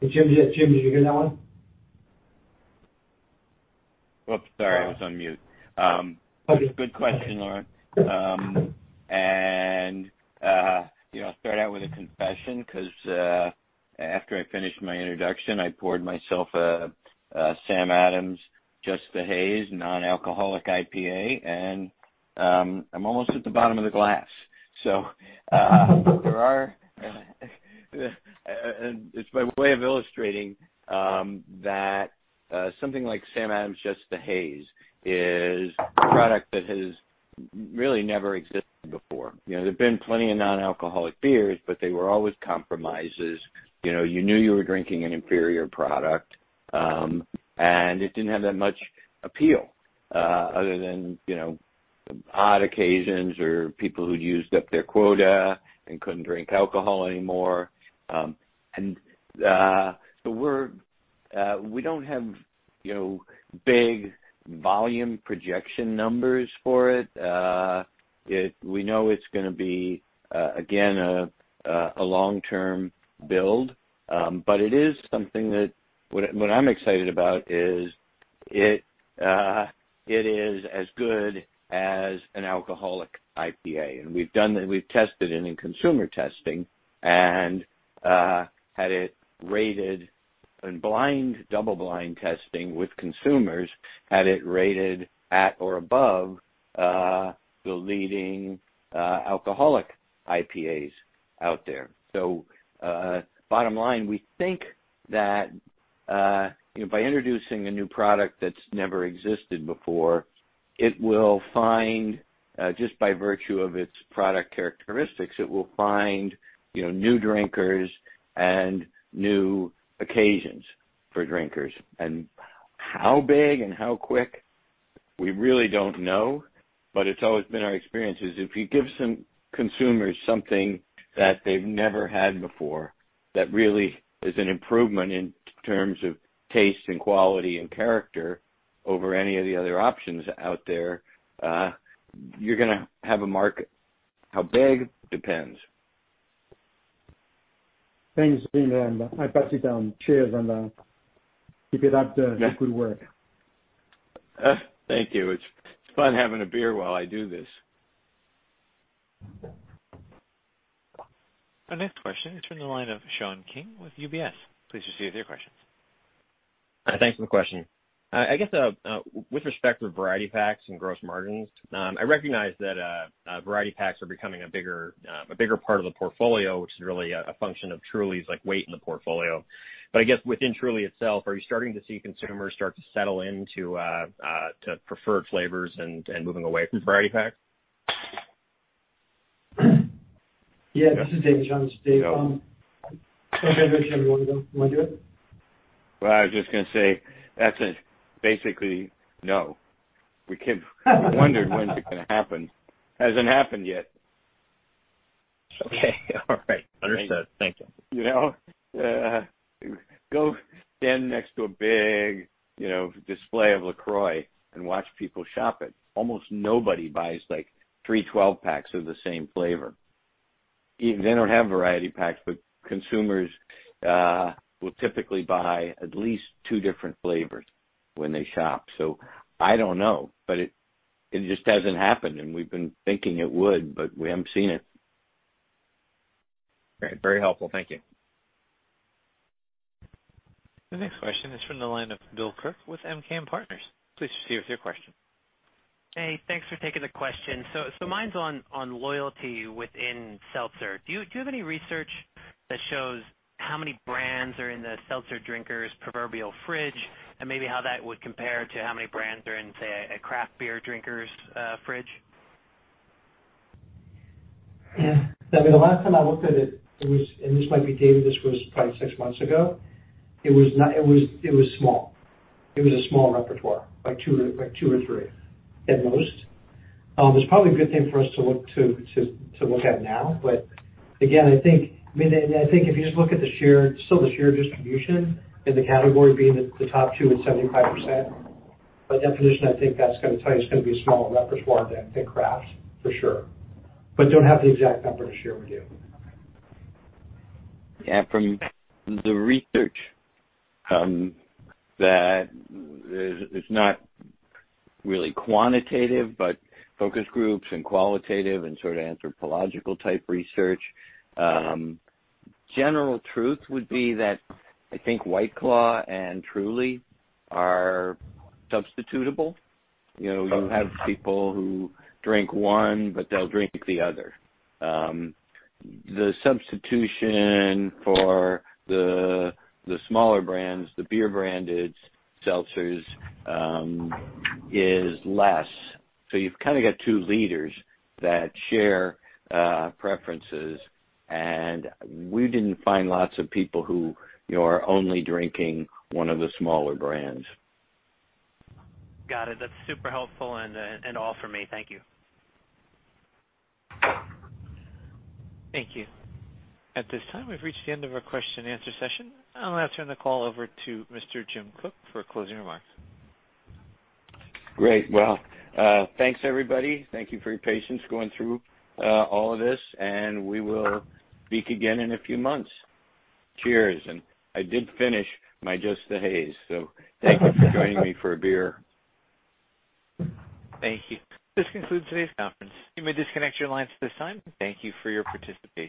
Jim, did you hear that one? Oh, sorry. I was on mute. Good question, Laurent. And I'll start out with a confession because after I finished my introduction, I poured myself a Sam Adams Just the Haze non-alcoholic IPA, and I'm almost at the bottom of the glass. So it's my way of illustrating that something like Sam Adams Just the Haze is a product that has really never existed before. There've been plenty of non-alcoholic beers, but they were always compromises. You knew you were drinking an inferior product, and it didn't have that much appeal other than odd occasions or people who'd used up their quota and couldn't drink alcohol anymore. And so we don't have big volume projection numbers for it. We know it's going to be, again, a long-term build. But it is something that what I'm excited about is it is as good as an alcoholic IPA. We've tested it in consumer testing and had it rated in blind, double-blind testing with consumers, had it rated at or above the leading alcoholic IPAs out there. Bottom line, we think that by introducing a new product that's never existed before, it will find, just by virtue of its product characteristics, it will find new drinkers and new occasions for drinkers. How big and how quick, we really don't know. It's always been our experience is if you give some consumers something that they've never had before that really is an improvement in terms of taste and quality and character over any of the other options out there, you're going to have a market. How big depends. Thanks, Jim, and I pass it down. Cheers, and keep it up. Good work. Thank you. It's fun having a beer while I do this. Our next question is from the line of Sean King with UBS. Please proceed with your questions. Hi. Thanks for the question. I guess with respect to variety packs and gross margins, I recognize that variety packs are becoming a bigger part of the portfolio, which is really a function of Truly's weight in the portfolio. But I guess within Truly itself, are you starting to see consumers start to settle into preferred flavors and moving away from variety packs? Yeah. This is Dave. Dave, I'm sorry. Do you want to go? You want to do it? I was just going to say that's basically no. We wondered when it's going to happen. Hasn't happened yet. Okay. All right. Understood. Thank you. Go stand next to a big display of LaCroix and watch people shop it. Almost nobody buys three 12-packs of the same flavor. They don't have variety packs, but consumers will typically buy at least two different flavors when they shop. So I don't know, but it just hasn't happened, and we've been thinking it would, but we haven't seen it. All right. Very helpful. Thank you. The next question is from the line of Bill Kirk with MKM Partners. Please proceed with your question. Hey. Thanks for taking the question. So mine's on loyalty within seltzer. Do you have any research that shows how many brands are in the seltzer drinker's proverbial fridge and maybe how that would compare to how many brands are in, say, a craft beer drinker's fridge? Yeah. I mean, the last time I looked at it, and this might be dated, this was probably six months ago. It was small. It was a small repertoire, like two or three at most. It's probably a good thing for us to look at now. But again, I think if you just look at the shared distribution and the category being the top two at 75%, by definition, I think that's going to tell you it's going to be a small repertoire than craft, for sure. But don't have the exact number to share with you. Yeah. From the research, that it's not really quantitative, but focus groups and qualitative and sort of anthropological-type research, general truth would be that I think White Claw and Truly are substitutable. You have people who drink one, but they'll drink the other. The substitution for the smaller brands, the beer-branded seltzers, is less. So you've kind of got two leaders that share preferences. And we didn't find lots of people who are only drinking one of the smaller brands. Got it. That's super helpful and all for me. Thank you. Thank you. At this time, we've reached the end of our question-and-answer session. I'll now turn the call over to Mr. Jim Koch for closing remarks. Great. Thanks, everybody. Thank you for your patience going through all of this. We will speak again in a few months. Cheers. I did finish my Just the Haze. Thank you for joining me for a beer. Thank you. This concludes today's conference. You may disconnect your lines at this time. Thank you for your participation.